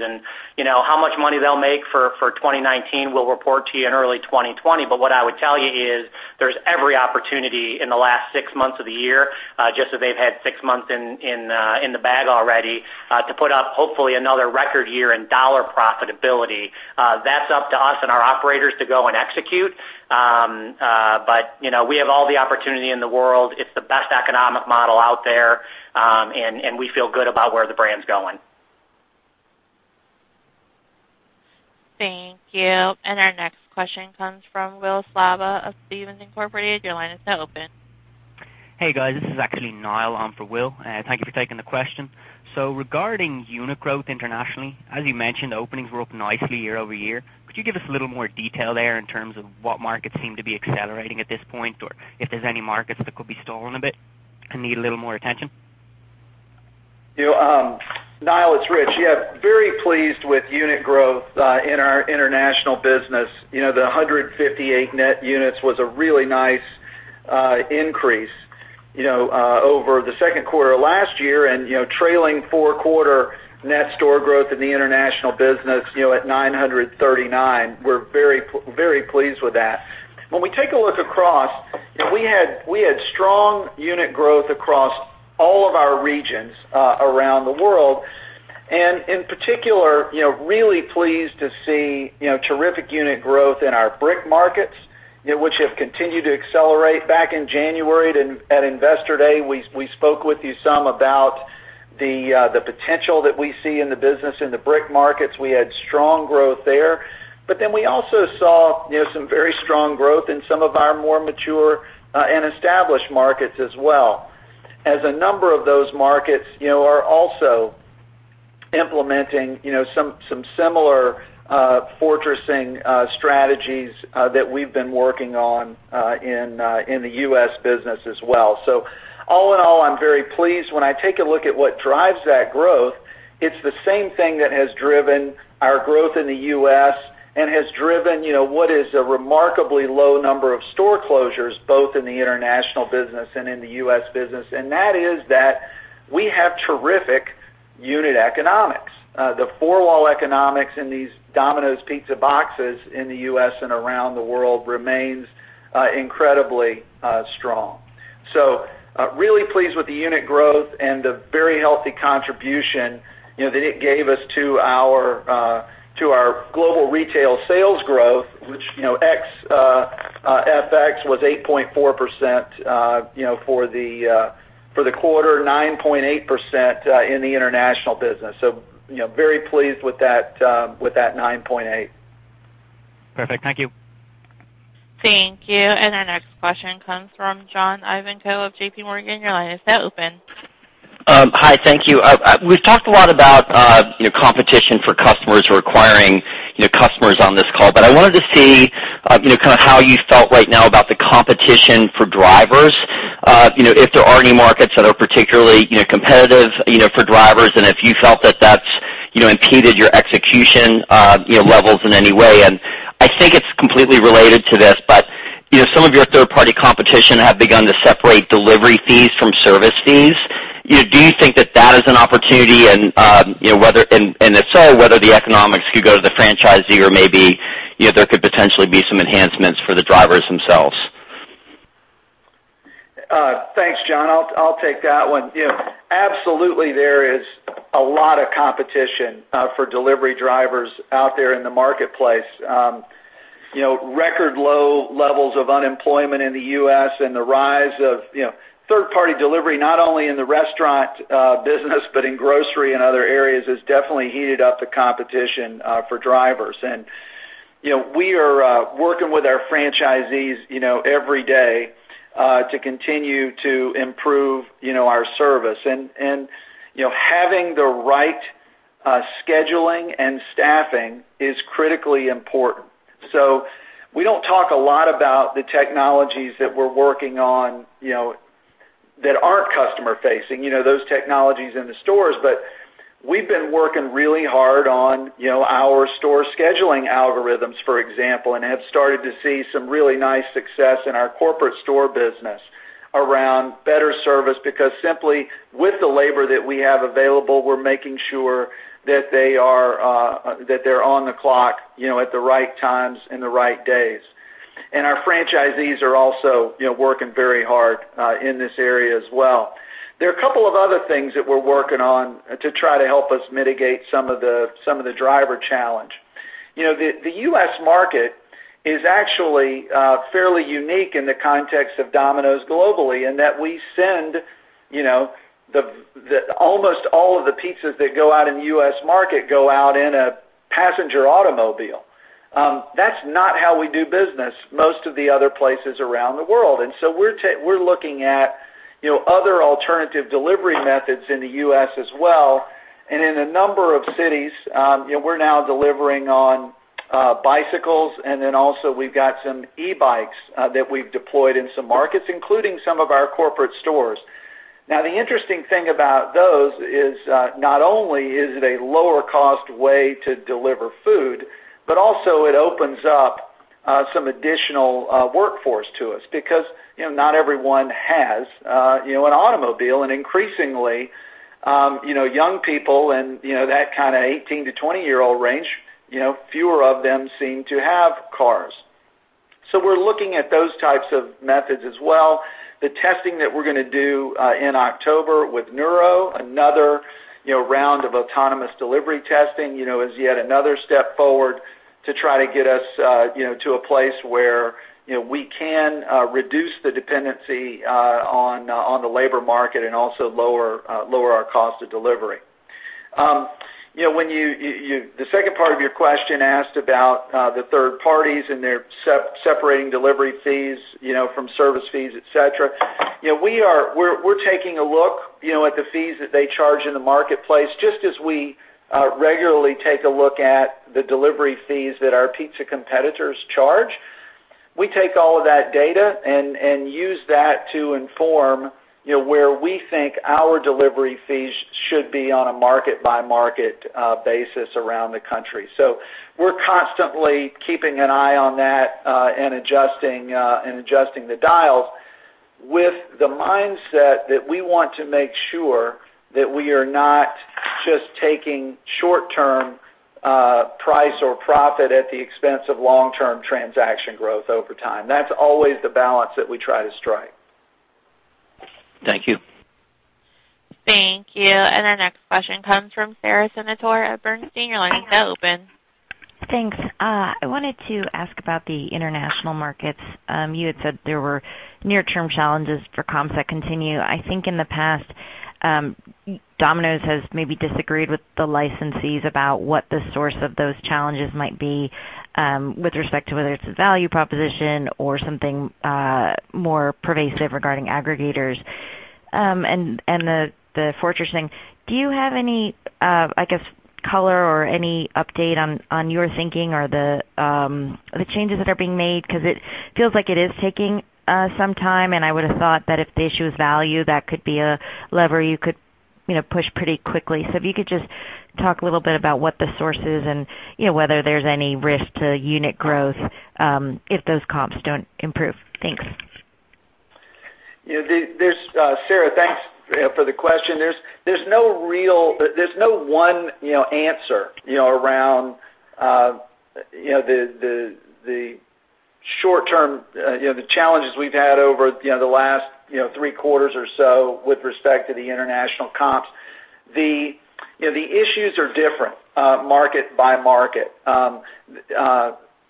How much money they'll make for 2019, we'll report to you in early 2020. What I would tell you is there's every opportunity in the last six months of the year, just as they've had six months in the bag already, to put up hopefully another record year in dollar profitability. That's up to us and our operators to go and execute. We have all the opportunity in the world. It's the best economic model out there, and we feel good about where the brand's going. Thank you. Our next question comes from Will Slabaugh of Stephens Inc. Your line is now open. Hey, guys. This is actually Niall on for Will. Thank you for taking the question. Regarding unit growth internationally, as you mentioned, openings were up nicely year-over-year. Could you give us a little more detail there in terms of what markets seem to be accelerating at this point, or if there's any markets that could be stalling a bit and need a little more attention? Niall, it's Ritch. Yeah, very pleased with unit growth in our international business. The 158 net units was a really nice increase over the second quarter of last year and trailing four-quarter net store growth in the international business at 939. We're very pleased with that. When we take a look across, we had strong unit growth across all of our regions around the world, and in particular, really pleased to see terrific unit growth in our BRIC markets, which have continued to accelerate. Back in January at Investor Day, we spoke with you some about the potential that we see in the business in the BRIC markets. We had strong growth there. We also saw some very strong growth in some of our more mature and established markets as well, as a number of those markets are also implementing some similar fortressing strategies that we've been working on in the U.S. business as well. All in all, I'm very pleased. When I take a look at what drives that growth, it's the same thing that has driven our growth in the U.S. and has driven what is a remarkably low number of store closures, both in the international business and in the U.S. business, and that is that we have terrific unit economics. The four-wall economics in these Domino's Pizza boxes in the U.S. and around the world remains incredibly strong. Really pleased with the unit growth and the very healthy contribution that it gave us to our global retail sales growth, which ex FX was 8.4% for the quarter, 9.8% in the international business. Very pleased with that 9.8%. Perfect. Thank you. Thank you. Our next question comes from John Ivankoe of JPMorgan. Your line is now open. Hi, thank you. We've talked a lot about competition for customers or acquiring customers on this call. I wanted to see kind of how you felt right now about the competition for drivers. If there are any markets that are particularly competitive for drivers, and if you felt that that's impeded your execution levels in any way. I think it's completely related to this. Some of your third-party competition have begun to separate delivery fees from service fees. Do you think that that is an opportunity? If so, whether the economics could go to the franchisee or maybe, there could potentially be some enhancements for the drivers themselves. Thanks, John. I'll take that one. Absolutely there is a lot of competition for delivery drivers out there in the marketplace. Record low levels of unemployment in the U.S. and the rise of third-party delivery, not only in the restaurant business, in grocery and other areas, has definitely heated up the competition for drivers. We are working with our franchisees every day to continue to improve our service. Having the right scheduling and staffing is critically important. We don't talk a lot about the technologies that we're working on that aren't customer facing, those technologies in the stores. We've been working really hard on our store scheduling algorithms, for example, and have started to see some really nice success in our corporate store business around better service. Simply, with the labor that we have available, we're making sure that they're on the clock at the right times and the right days. Our franchisees are also working very hard in this area as well. There are a couple of other things that we're working on to try to help us mitigate some of the driver challenge. The U.S. market is actually fairly unique in the context of Domino's globally, in that we send almost all of the pizzas that go out in the U.S. market go out in a passenger automobile. That's not how we do business most of the other places around the world. We're looking at other alternative delivery methods in the U.S. as well. In a number of cities, we're now delivering on bicycles, and then also we've got some e-bikes that we've deployed in some markets, including some of our corporate stores. The interesting thing about those is, not only is it a lower cost way to deliver food, also it opens up some additional workforce to us because not everyone has an automobile. Increasingly, young people in that kind of 18-20 year-old range, fewer of them seem to have cars. We're looking at those types of methods as well. The testing that we're going to do in October with Nuro, another round of autonomous delivery testing, is yet another step forward to try to get us to a place where we can reduce the dependency on the labor market and also lower our cost of delivery. The second part of your question asked about the third parties and their separating delivery fees from service fees, et cetera. We are taking a look at the fees that they charge in the marketplace, just as we regularly take a look at the delivery fees that our pizza competitors charge. We take all of that data and use that to inform where we think our delivery fees should be on a market-by-market basis around the country. We are constantly keeping an eye on that and adjusting the dials with the mindset that we want to make sure that we are not just taking short-term price or profit at the expense of long-term transaction growth over time. That is always the balance that we try to strike. Thank you. Thank you. Our next question comes from Sara Senatore at Bernstein. Your line is now open. Thanks. I wanted to ask about the international markets. You had said there were near-term challenges for comps that continue. I think in the past Domino's has maybe disagreed with the licensees about what the source of those challenges might be with respect to whether it is a value proposition or something more pervasive regarding aggregators and the fortressing. Do you have any, I guess, color or any update on your thinking or the changes that are being made? Because it feels like it is taking some time, and I would have thought that if the issue is value, that could be a lever you could push pretty quickly. If you could just talk a little bit about what the source is and whether there is any risk to unit growth if those comps do not improve. Thanks. Sara, thanks for the question. There is no one answer around the short term, the challenges we have had over the last three quarters or so with respect to the international comps, the issues are different market by market.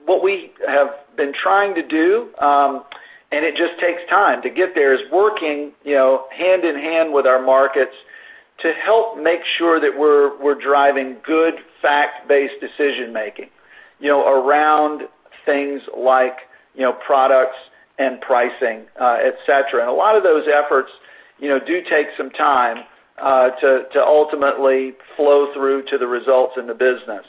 What we have been trying to do, and it just takes time to get there, is working hand in hand with our markets to help make sure that we are driving good fact-based decision making around things like products and pricing, et cetera. A lot of those efforts do take some time to ultimately flow through to the results in the business.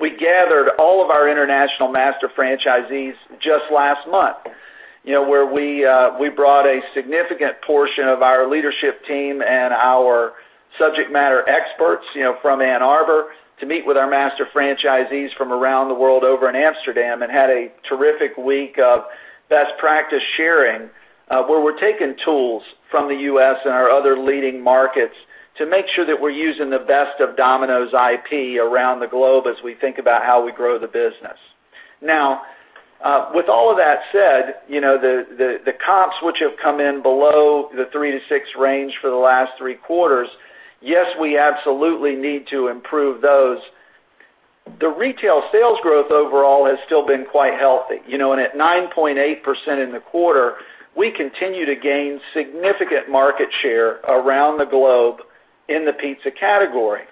We gathered all of our international master franchisees just last month, where we brought a significant portion of our leadership team and our subject matter experts from Ann Arbor to meet with our master franchisees from around the world over in Amsterdam, and had a terrific week of best practice sharing, where we are taking tools from the U.S. and our other leading markets to make sure that we are using the best of Domino's IP around the globe as we think about how we grow the business. With all of that said, the comps which have come in below the three to six range for the last three quarters, yes, we absolutely need to improve those. The retail sales growth overall has still been quite healthy. At 9.8% in the quarter, we continue to gain significant market share around the globe in the pizza category.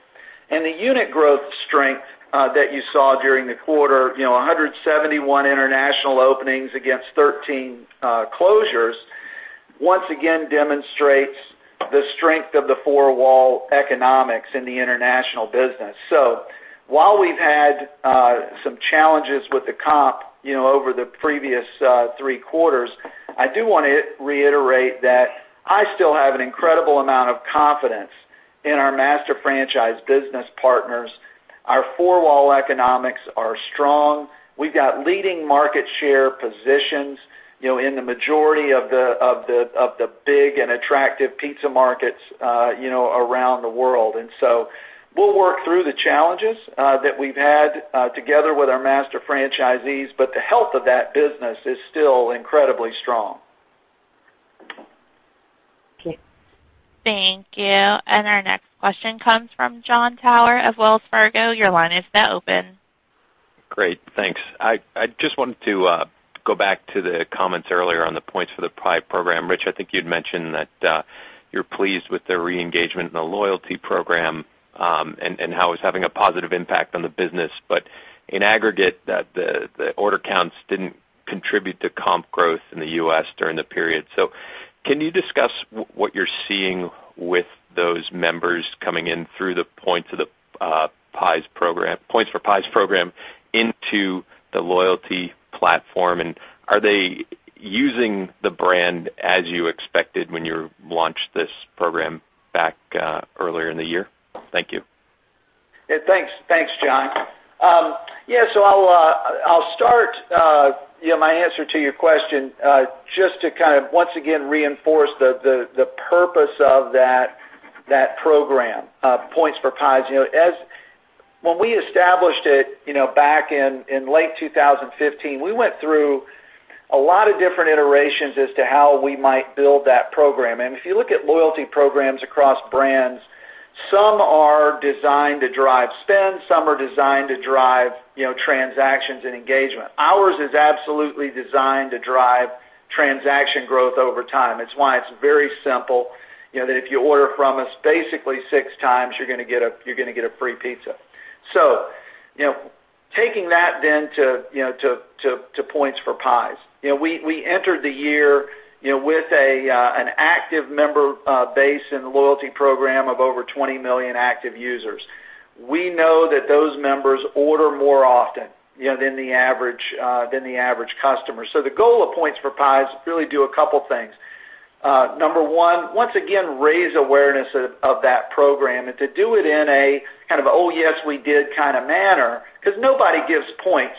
The unit growth strength that you saw during the quarter, 171 international openings against 13 closures, once again demonstrates the strength of the four-wall economics in the international business. While we have had some challenges with the comp over the previous three quarters, I do want to reiterate that I still have an incredible amount of confidence in our master franchise business partners. Our four-wall economics are strong. We have got leading market share positions in the majority of the big and attractive pizza markets around the world. We will work through the challenges that we have had together with our master franchisees, but the health of that business is still incredibly strong. Okay. Thank you. Our next question comes from Jon Tower of Wells Fargo. Your line is now open. Great. Thanks. I just wanted to go back to the comments earlier on the Points for Pies program. Ritch, I think you'd mentioned that you're pleased with the re-engagement in the loyalty program, and how it's having a positive impact on the business. In aggregate, the order counts didn't contribute to comp growth in the U.S. during the period. Can you discuss what you're seeing with those members coming in through the Points for Pies program into the loyalty platform, and are they using the brand as you expected when you launched this program back earlier in the year? Thank you. Thanks, John. I'll start my answer to your question, just to kind of, once again, reinforce the purpose of that program, Points for Pies. When we established it back in late 2015, we went through a lot of different iterations as to how we might build that program. If you look at loyalty programs across brands, some are designed to drive spend, some are designed to drive transactions and engagement. Ours is absolutely designed to drive transaction growth over time. It's why it's very simple, that if you order from us basically 6x, you're going to get a free pizza. Taking that then to Points for Pies. We entered the year with an active member base in the loyalty program of over 20 million active users. We know that those members order more often than the average customer. The goal of Points for Pies really do a couple things. Number one, once again, raise awareness of that program and to do it in a kind of, oh, yes, we did kind of manner, because nobody gives points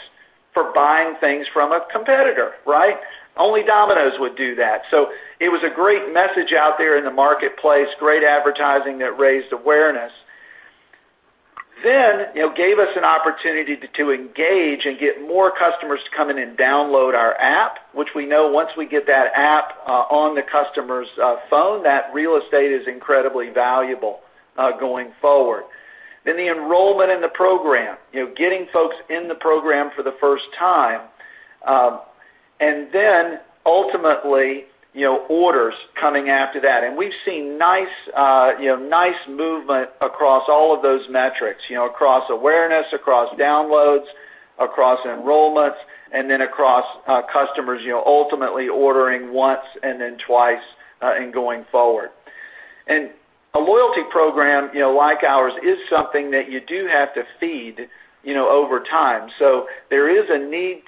for buying things from a competitor, right? Only Domino's would do that. It was a great message out there in the marketplace, great advertising that raised awareness. Gave us an opportunity to engage and get more customers to come in and download our app, which we know once we get that app on the customer's phone, that real estate is incredibly valuable going forward. Then the enrollment in the program, getting folks in the program for the first time. Ultimately, orders coming after that. We've seen nice movement across all of those metrics, across awareness, across downloads, across enrollments, and then across customers ultimately ordering once and then twice and going forward. A loyalty program like ours is something that you do have to feed over time. There is a need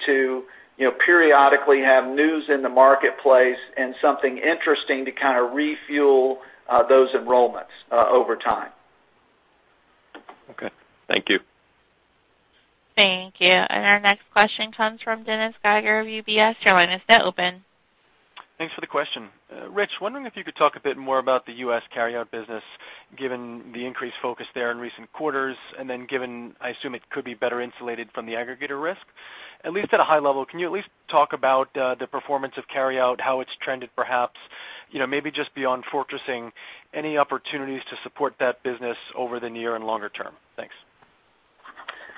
to periodically have news in the marketplace and something interesting to kind of refuel those enrollments over time. Okay. Thank you. Thank you. Our next question comes from Dennis Geiger of UBS. Your line is now open. Thanks for the question. Ritch, wondering if you could talk a bit more about the U.S. carryout business, given the increased focus there in recent quarters, given, I assume it could be better insulated from the aggregator risk. At least at a high level, can you at least talk about the performance of carryout, how it's trended, perhaps, maybe just beyond fortressing, any opportunities to support that business over the near and longer term? Thanks.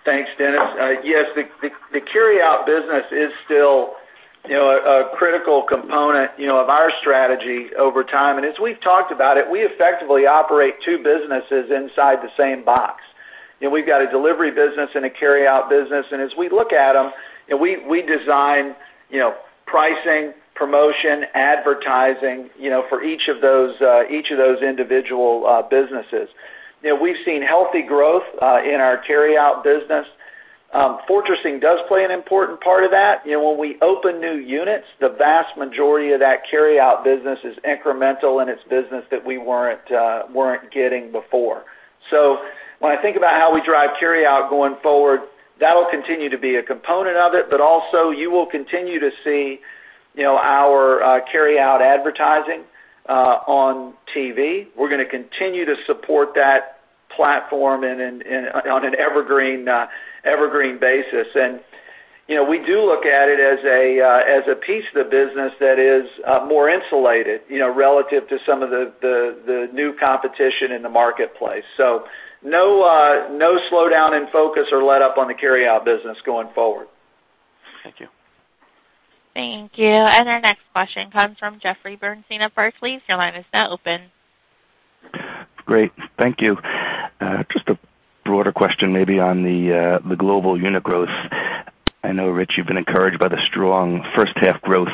Thanks, Dennis. Yes. The carryout business is still a critical component of our strategy over time. As we've talked about it, we effectively operate two businesses inside the same box. We've got a delivery business and a carryout business, as we look at them, we design pricing, promotion, advertising, for each of those individual businesses. We've seen healthy growth in our carryout business. fortressing does play an important part of that. When we open new units, the vast majority of that carryout business is incremental, and it's business that we weren't getting before. When I think about how we drive carryout going forward, that'll continue to be a component of it, but also you will continue to see our carryout advertising on TV. We're going to continue to support that platform on an evergreen basis. We do look at it as a piece of the business that is more insulated, relative to some of the new competition in the marketplace. No slowdown in focus or letup on the carryout business going forward. Thank you. Thank you. Our next question comes from Jeffrey Bernstein of Barclays. Your line is now open. Great. Thank you. Just a broader question maybe on the global unit growth. I know, Ritch, you've been encouraged by the strong first half growth,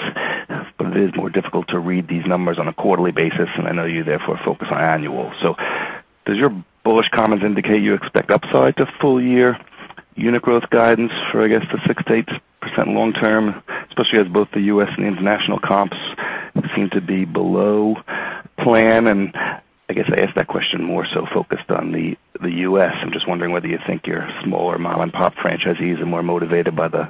but it is more difficult to read these numbers on a quarterly basis, and I know you therefore focus on annual. Does your bullish comments indicate you expect upside to full year unit growth guidance for, I guess, the 6%-8% long term, especially as both the U.S. and the international comps seem to be below plan? I guess I ask that question more so focused on the U.S. I'm just wondering whether you think your smaller mom-and-pop franchisees are more motivated by the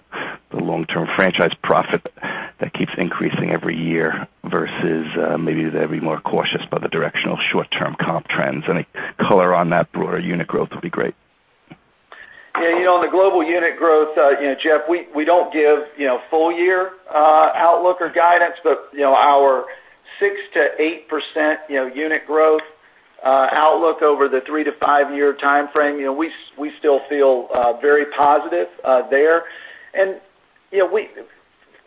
long-term franchise profit that keeps increasing every year versus maybe they'd be more cautious by the directional short-term comp trends. Any color on that broader unit growth would be great. Yeah. On the global unit growth, Jeff, we don't give full year outlook or guidance, but our 6%-8% unit growth outlook over the three to five year timeframe, we still feel very positive there.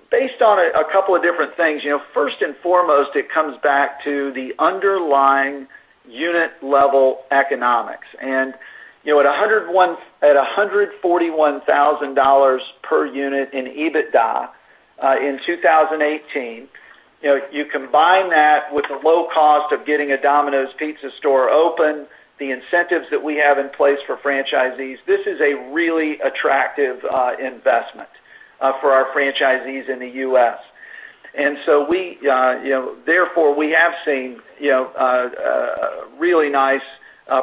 Based on a couple of different things, first and foremost, it comes back to the underlying unit level economics. At $141,000 per unit in EBITDA in 2018, you combine that with the low cost of getting a Domino's Pizza store open, the incentives that we have in place for franchisees. This is a really attractive investment for our franchisees in the U.S. Therefore, we have seen really nice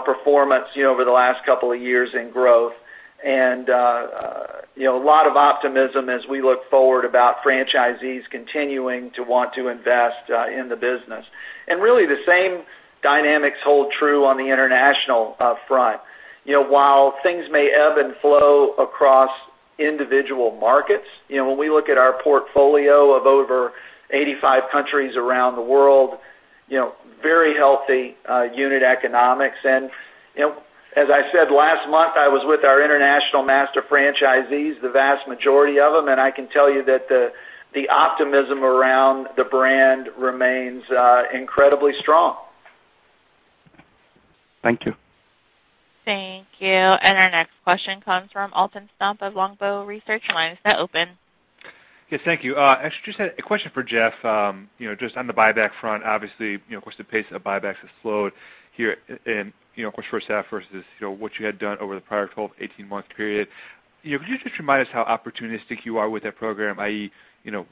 performance over the last couple of years in growth and a lot of optimism as we look forward about franchisees continuing to want to invest in the business. Really, the same dynamics hold true on the international front. While things may ebb and flow across individual markets, when we look at our portfolio of over 85 countries around the world, very healthy unit economics. As I said last month, I was with our international master franchisees, the vast majority of them, I can tell you that the optimism around the brand remains incredibly strong. Thank you. Thank you. Our next question comes from Alton Stump of Longbow Research. Your line is now open. Yes, thank you. Actually, just had a question for Jeff. Just on the buyback front, obviously, of course, the pace of buybacks has slowed here in first half versus what you had done over the prior 12, 18-month period. Could you just remind us how opportunistic you are with that program, i.e.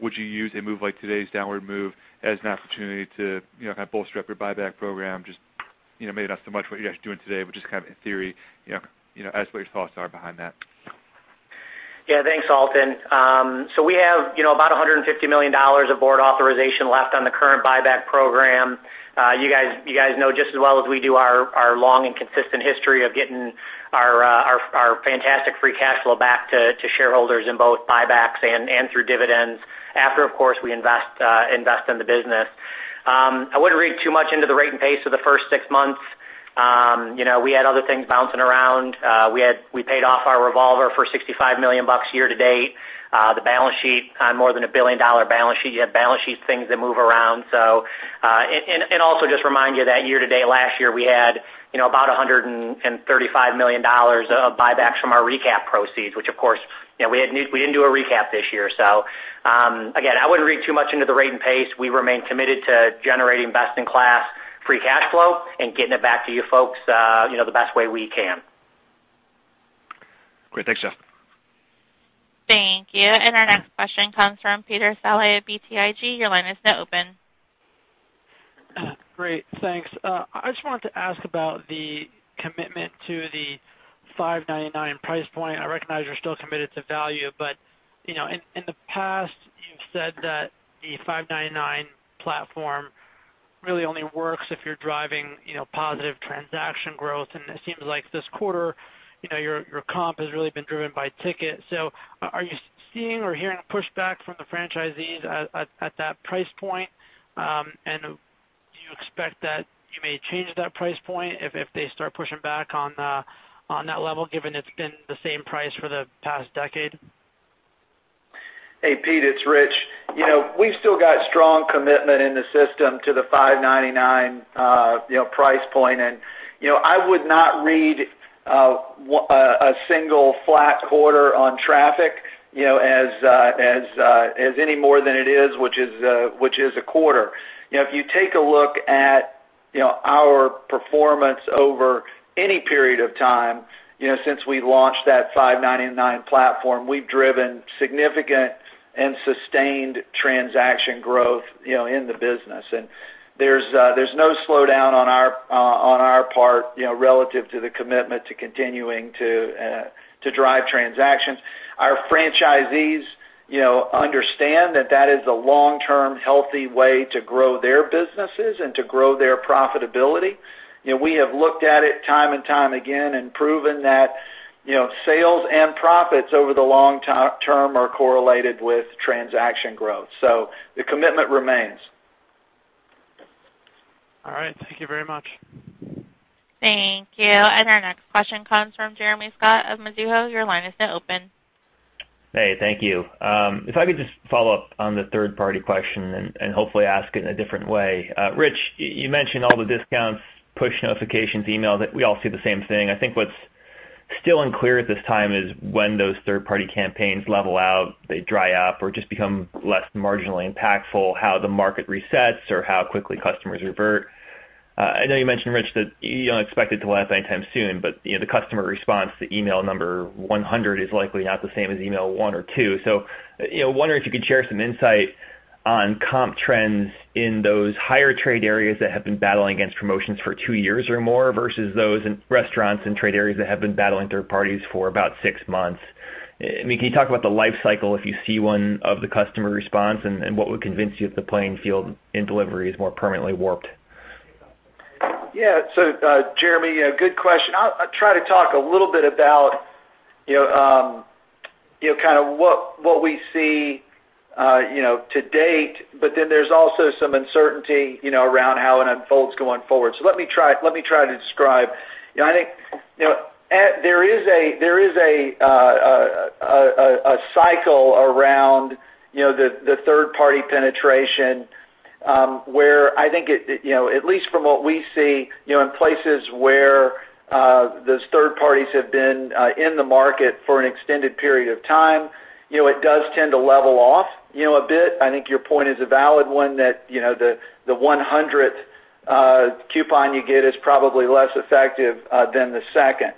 would you use a move like today's downward move as an opportunity to kind of bolster up your buyback program? Just maybe not so much what you guys are doing today, but just kind of in theory, I'd ask what your thoughts are behind that. Thanks, Alton. We have about $150 million of board authorization left on the current buyback program. You guys know just as well as we do our long and consistent history of getting our fantastic free cash flow back to shareholders in both buybacks and through dividends, after, of course, we invest in the business. I wouldn't read too much into the rate and pace of the first six months. We had other things bouncing around. We paid off our revolver for $65 million year to date. The balance sheet, on more than a $1 billion balance sheet, you have balance sheet things that move around. And also just remind you that year to date last year, we had about $135 million of buybacks from our recap proceeds, which of course, we didn't do a recap this year. Again, I wouldn't read too much into the rate and pace. We remain committed to generating best in class free cash flow and getting it back to you folks the best way we can. Great. Thanks, Jeff. Thank you. Our next question comes from Peter Saleh at BTIG. Your line is now open. Great. Thanks. I just wanted to ask about the commitment to the $5.99 price point. I recognize you're still committed to value, in the past, you've said that the $5.99 platform really only works if you're driving positive transaction growth, it seems like this quarter, your comp has really been driven by ticket. Are you seeing or hearing pushback from the franchisees at that price point? Do you expect that you may change that price point if they start pushing back on that level, given it's been the same price for the past decade? Hey, Pete, it's Ritch. We've still got strong commitment in the system to the $5.99 price point. I would not read a single flat quarter on traffic as any more than it is, which is a quarter. If you take a look at our performance over any period of time since we launched that $5.99 platform, we've driven significant and sustained transaction growth in the business. There's no slowdown on our part relative to the commitment to continuing to drive transactions. Our franchisees understand that that is a long-term, healthy way to grow their businesses and to grow their profitability. We have looked at it time and time again and proven that sales and profits over the long term are correlated with transaction growth. The commitment remains. All right. Thank you very much. Thank you. Our next question comes from Jeremy Scott of Mizuho. Your line is now open. Hey, thank you. If I could just follow up on the third-party question and hopefully ask it in a different way. Ritch, you mentioned all the discounts, push notifications, email, that we all see the same thing. I think what's still unclear at this time is when those third-party campaigns level out, they dry up or just become less marginally impactful, how the market resets or how quickly customers revert. I know you mentioned, Ritch, that you don't expect it to last anytime soon, but the customer response to email number 100 is likely not the same as email one or two. Wondering if you could share some insight on comp trends in those higher trade areas that have been battling against promotions for two years or more versus those restaurants and trade areas that have been battling third parties for about six months. Can you talk about the life cycle, if you see one, of the customer response and what would convince you that the playing field in delivery is more permanently warped? Yeah. Jeremy, good question. I'll try to talk a little bit about kind of what we see to date, but then there's also some uncertainty around how it unfolds going forward. Let me try to describe. I think there is a cycle around the third-party penetration, where I think, at least from what we see in places where those third parties have been in the market for an extended period of time, it does tend to level off a bit. I think your point is a valid one that the 100th coupon you get is probably less effective than the second.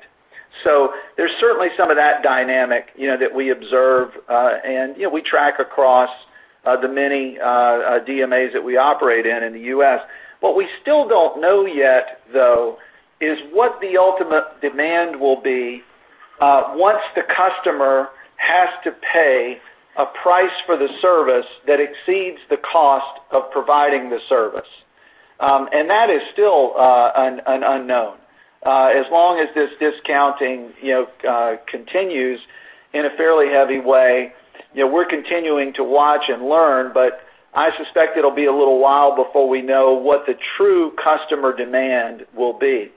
There's certainly some of that dynamic that we observe, and we track across the many DMAs that we operate in in the U.S. What we still don't know yet, though, is what the ultimate demand will be once the customer has to pay a price for the service that exceeds the cost of providing the service. That is still an unknown. As long as this discounting continues in a fairly heavy way, we're continuing to watch and learn, I suspect it'll be a little while before we know what the true customer demand will be.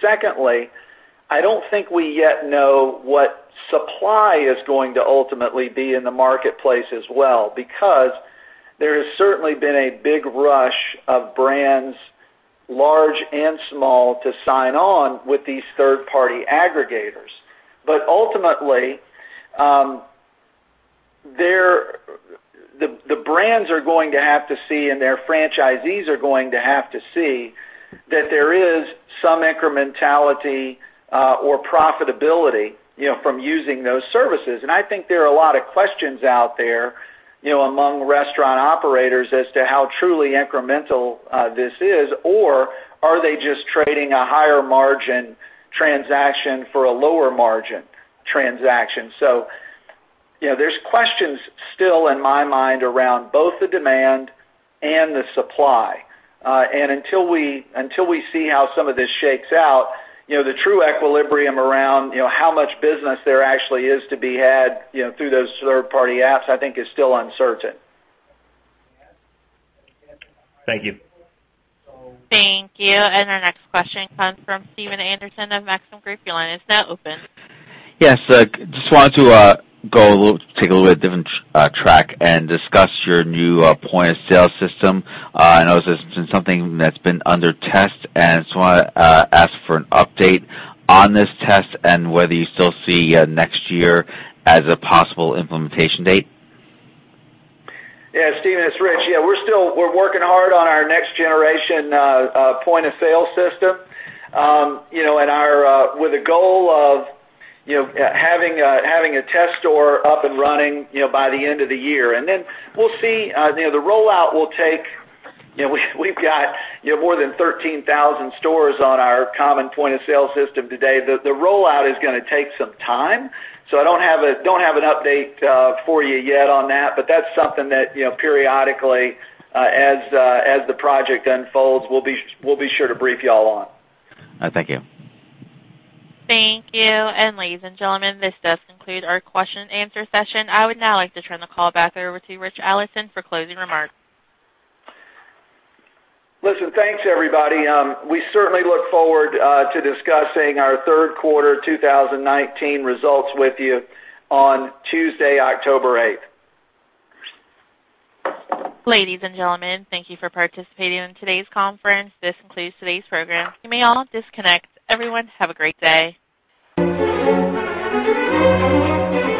Secondly, I don't think we yet know what supply is going to ultimately be in the marketplace as well, because there has certainly been a big rush of brands, large and small, to sign on with these third-party aggregators. Ultimately, the brands are going to have to see, and their franchisees are going to have to see that there is some incrementality or profitability from using those services. I think there are a lot of questions out there among restaurant operators as to how truly incremental this is, or are they just trading a higher margin transaction for a lower margin transaction. There's questions still in my mind around both the demand and the supply. Until we see how some of this shakes out, the true equilibrium around how much business there actually is to be had through those third-party apps, I think is still uncertain. Thank you. Thank you. Our next question comes from Stephen Anderson of Maxim Group. Your line is now open. Yes. Just wanted to take a little bit different track and discuss your new point-of-sale system. I know this has been something that's been under test, and just want to ask for an update on this test and whether you still see next year as a possible implementation date. Yeah, Stephen, it's Ritch. We're working hard on our next generation point-of-sale system with a goal of having a test store up and running by the end of the year. Then we'll see. The rollout will take. We've got more than 13,000 stores on our common point-of-sale system today. The rollout is going to take some time, so I don't have an update for you yet on that, but that's something that periodically, as the project unfolds, we'll be sure to brief you all on. Thank you. Thank you. Ladies and gentlemen, this does conclude our question-and-answer session. I would now like to turn the call back over to Ritch Allison for closing remarks. Listen, thanks, everybody. We certainly look forward to discussing our third quarter 2019 results with you on Tuesday, October 8th. Ladies and gentlemen, thank you for participating in today's conference. This concludes today's program. You may all disconnect. Everyone, have a great day.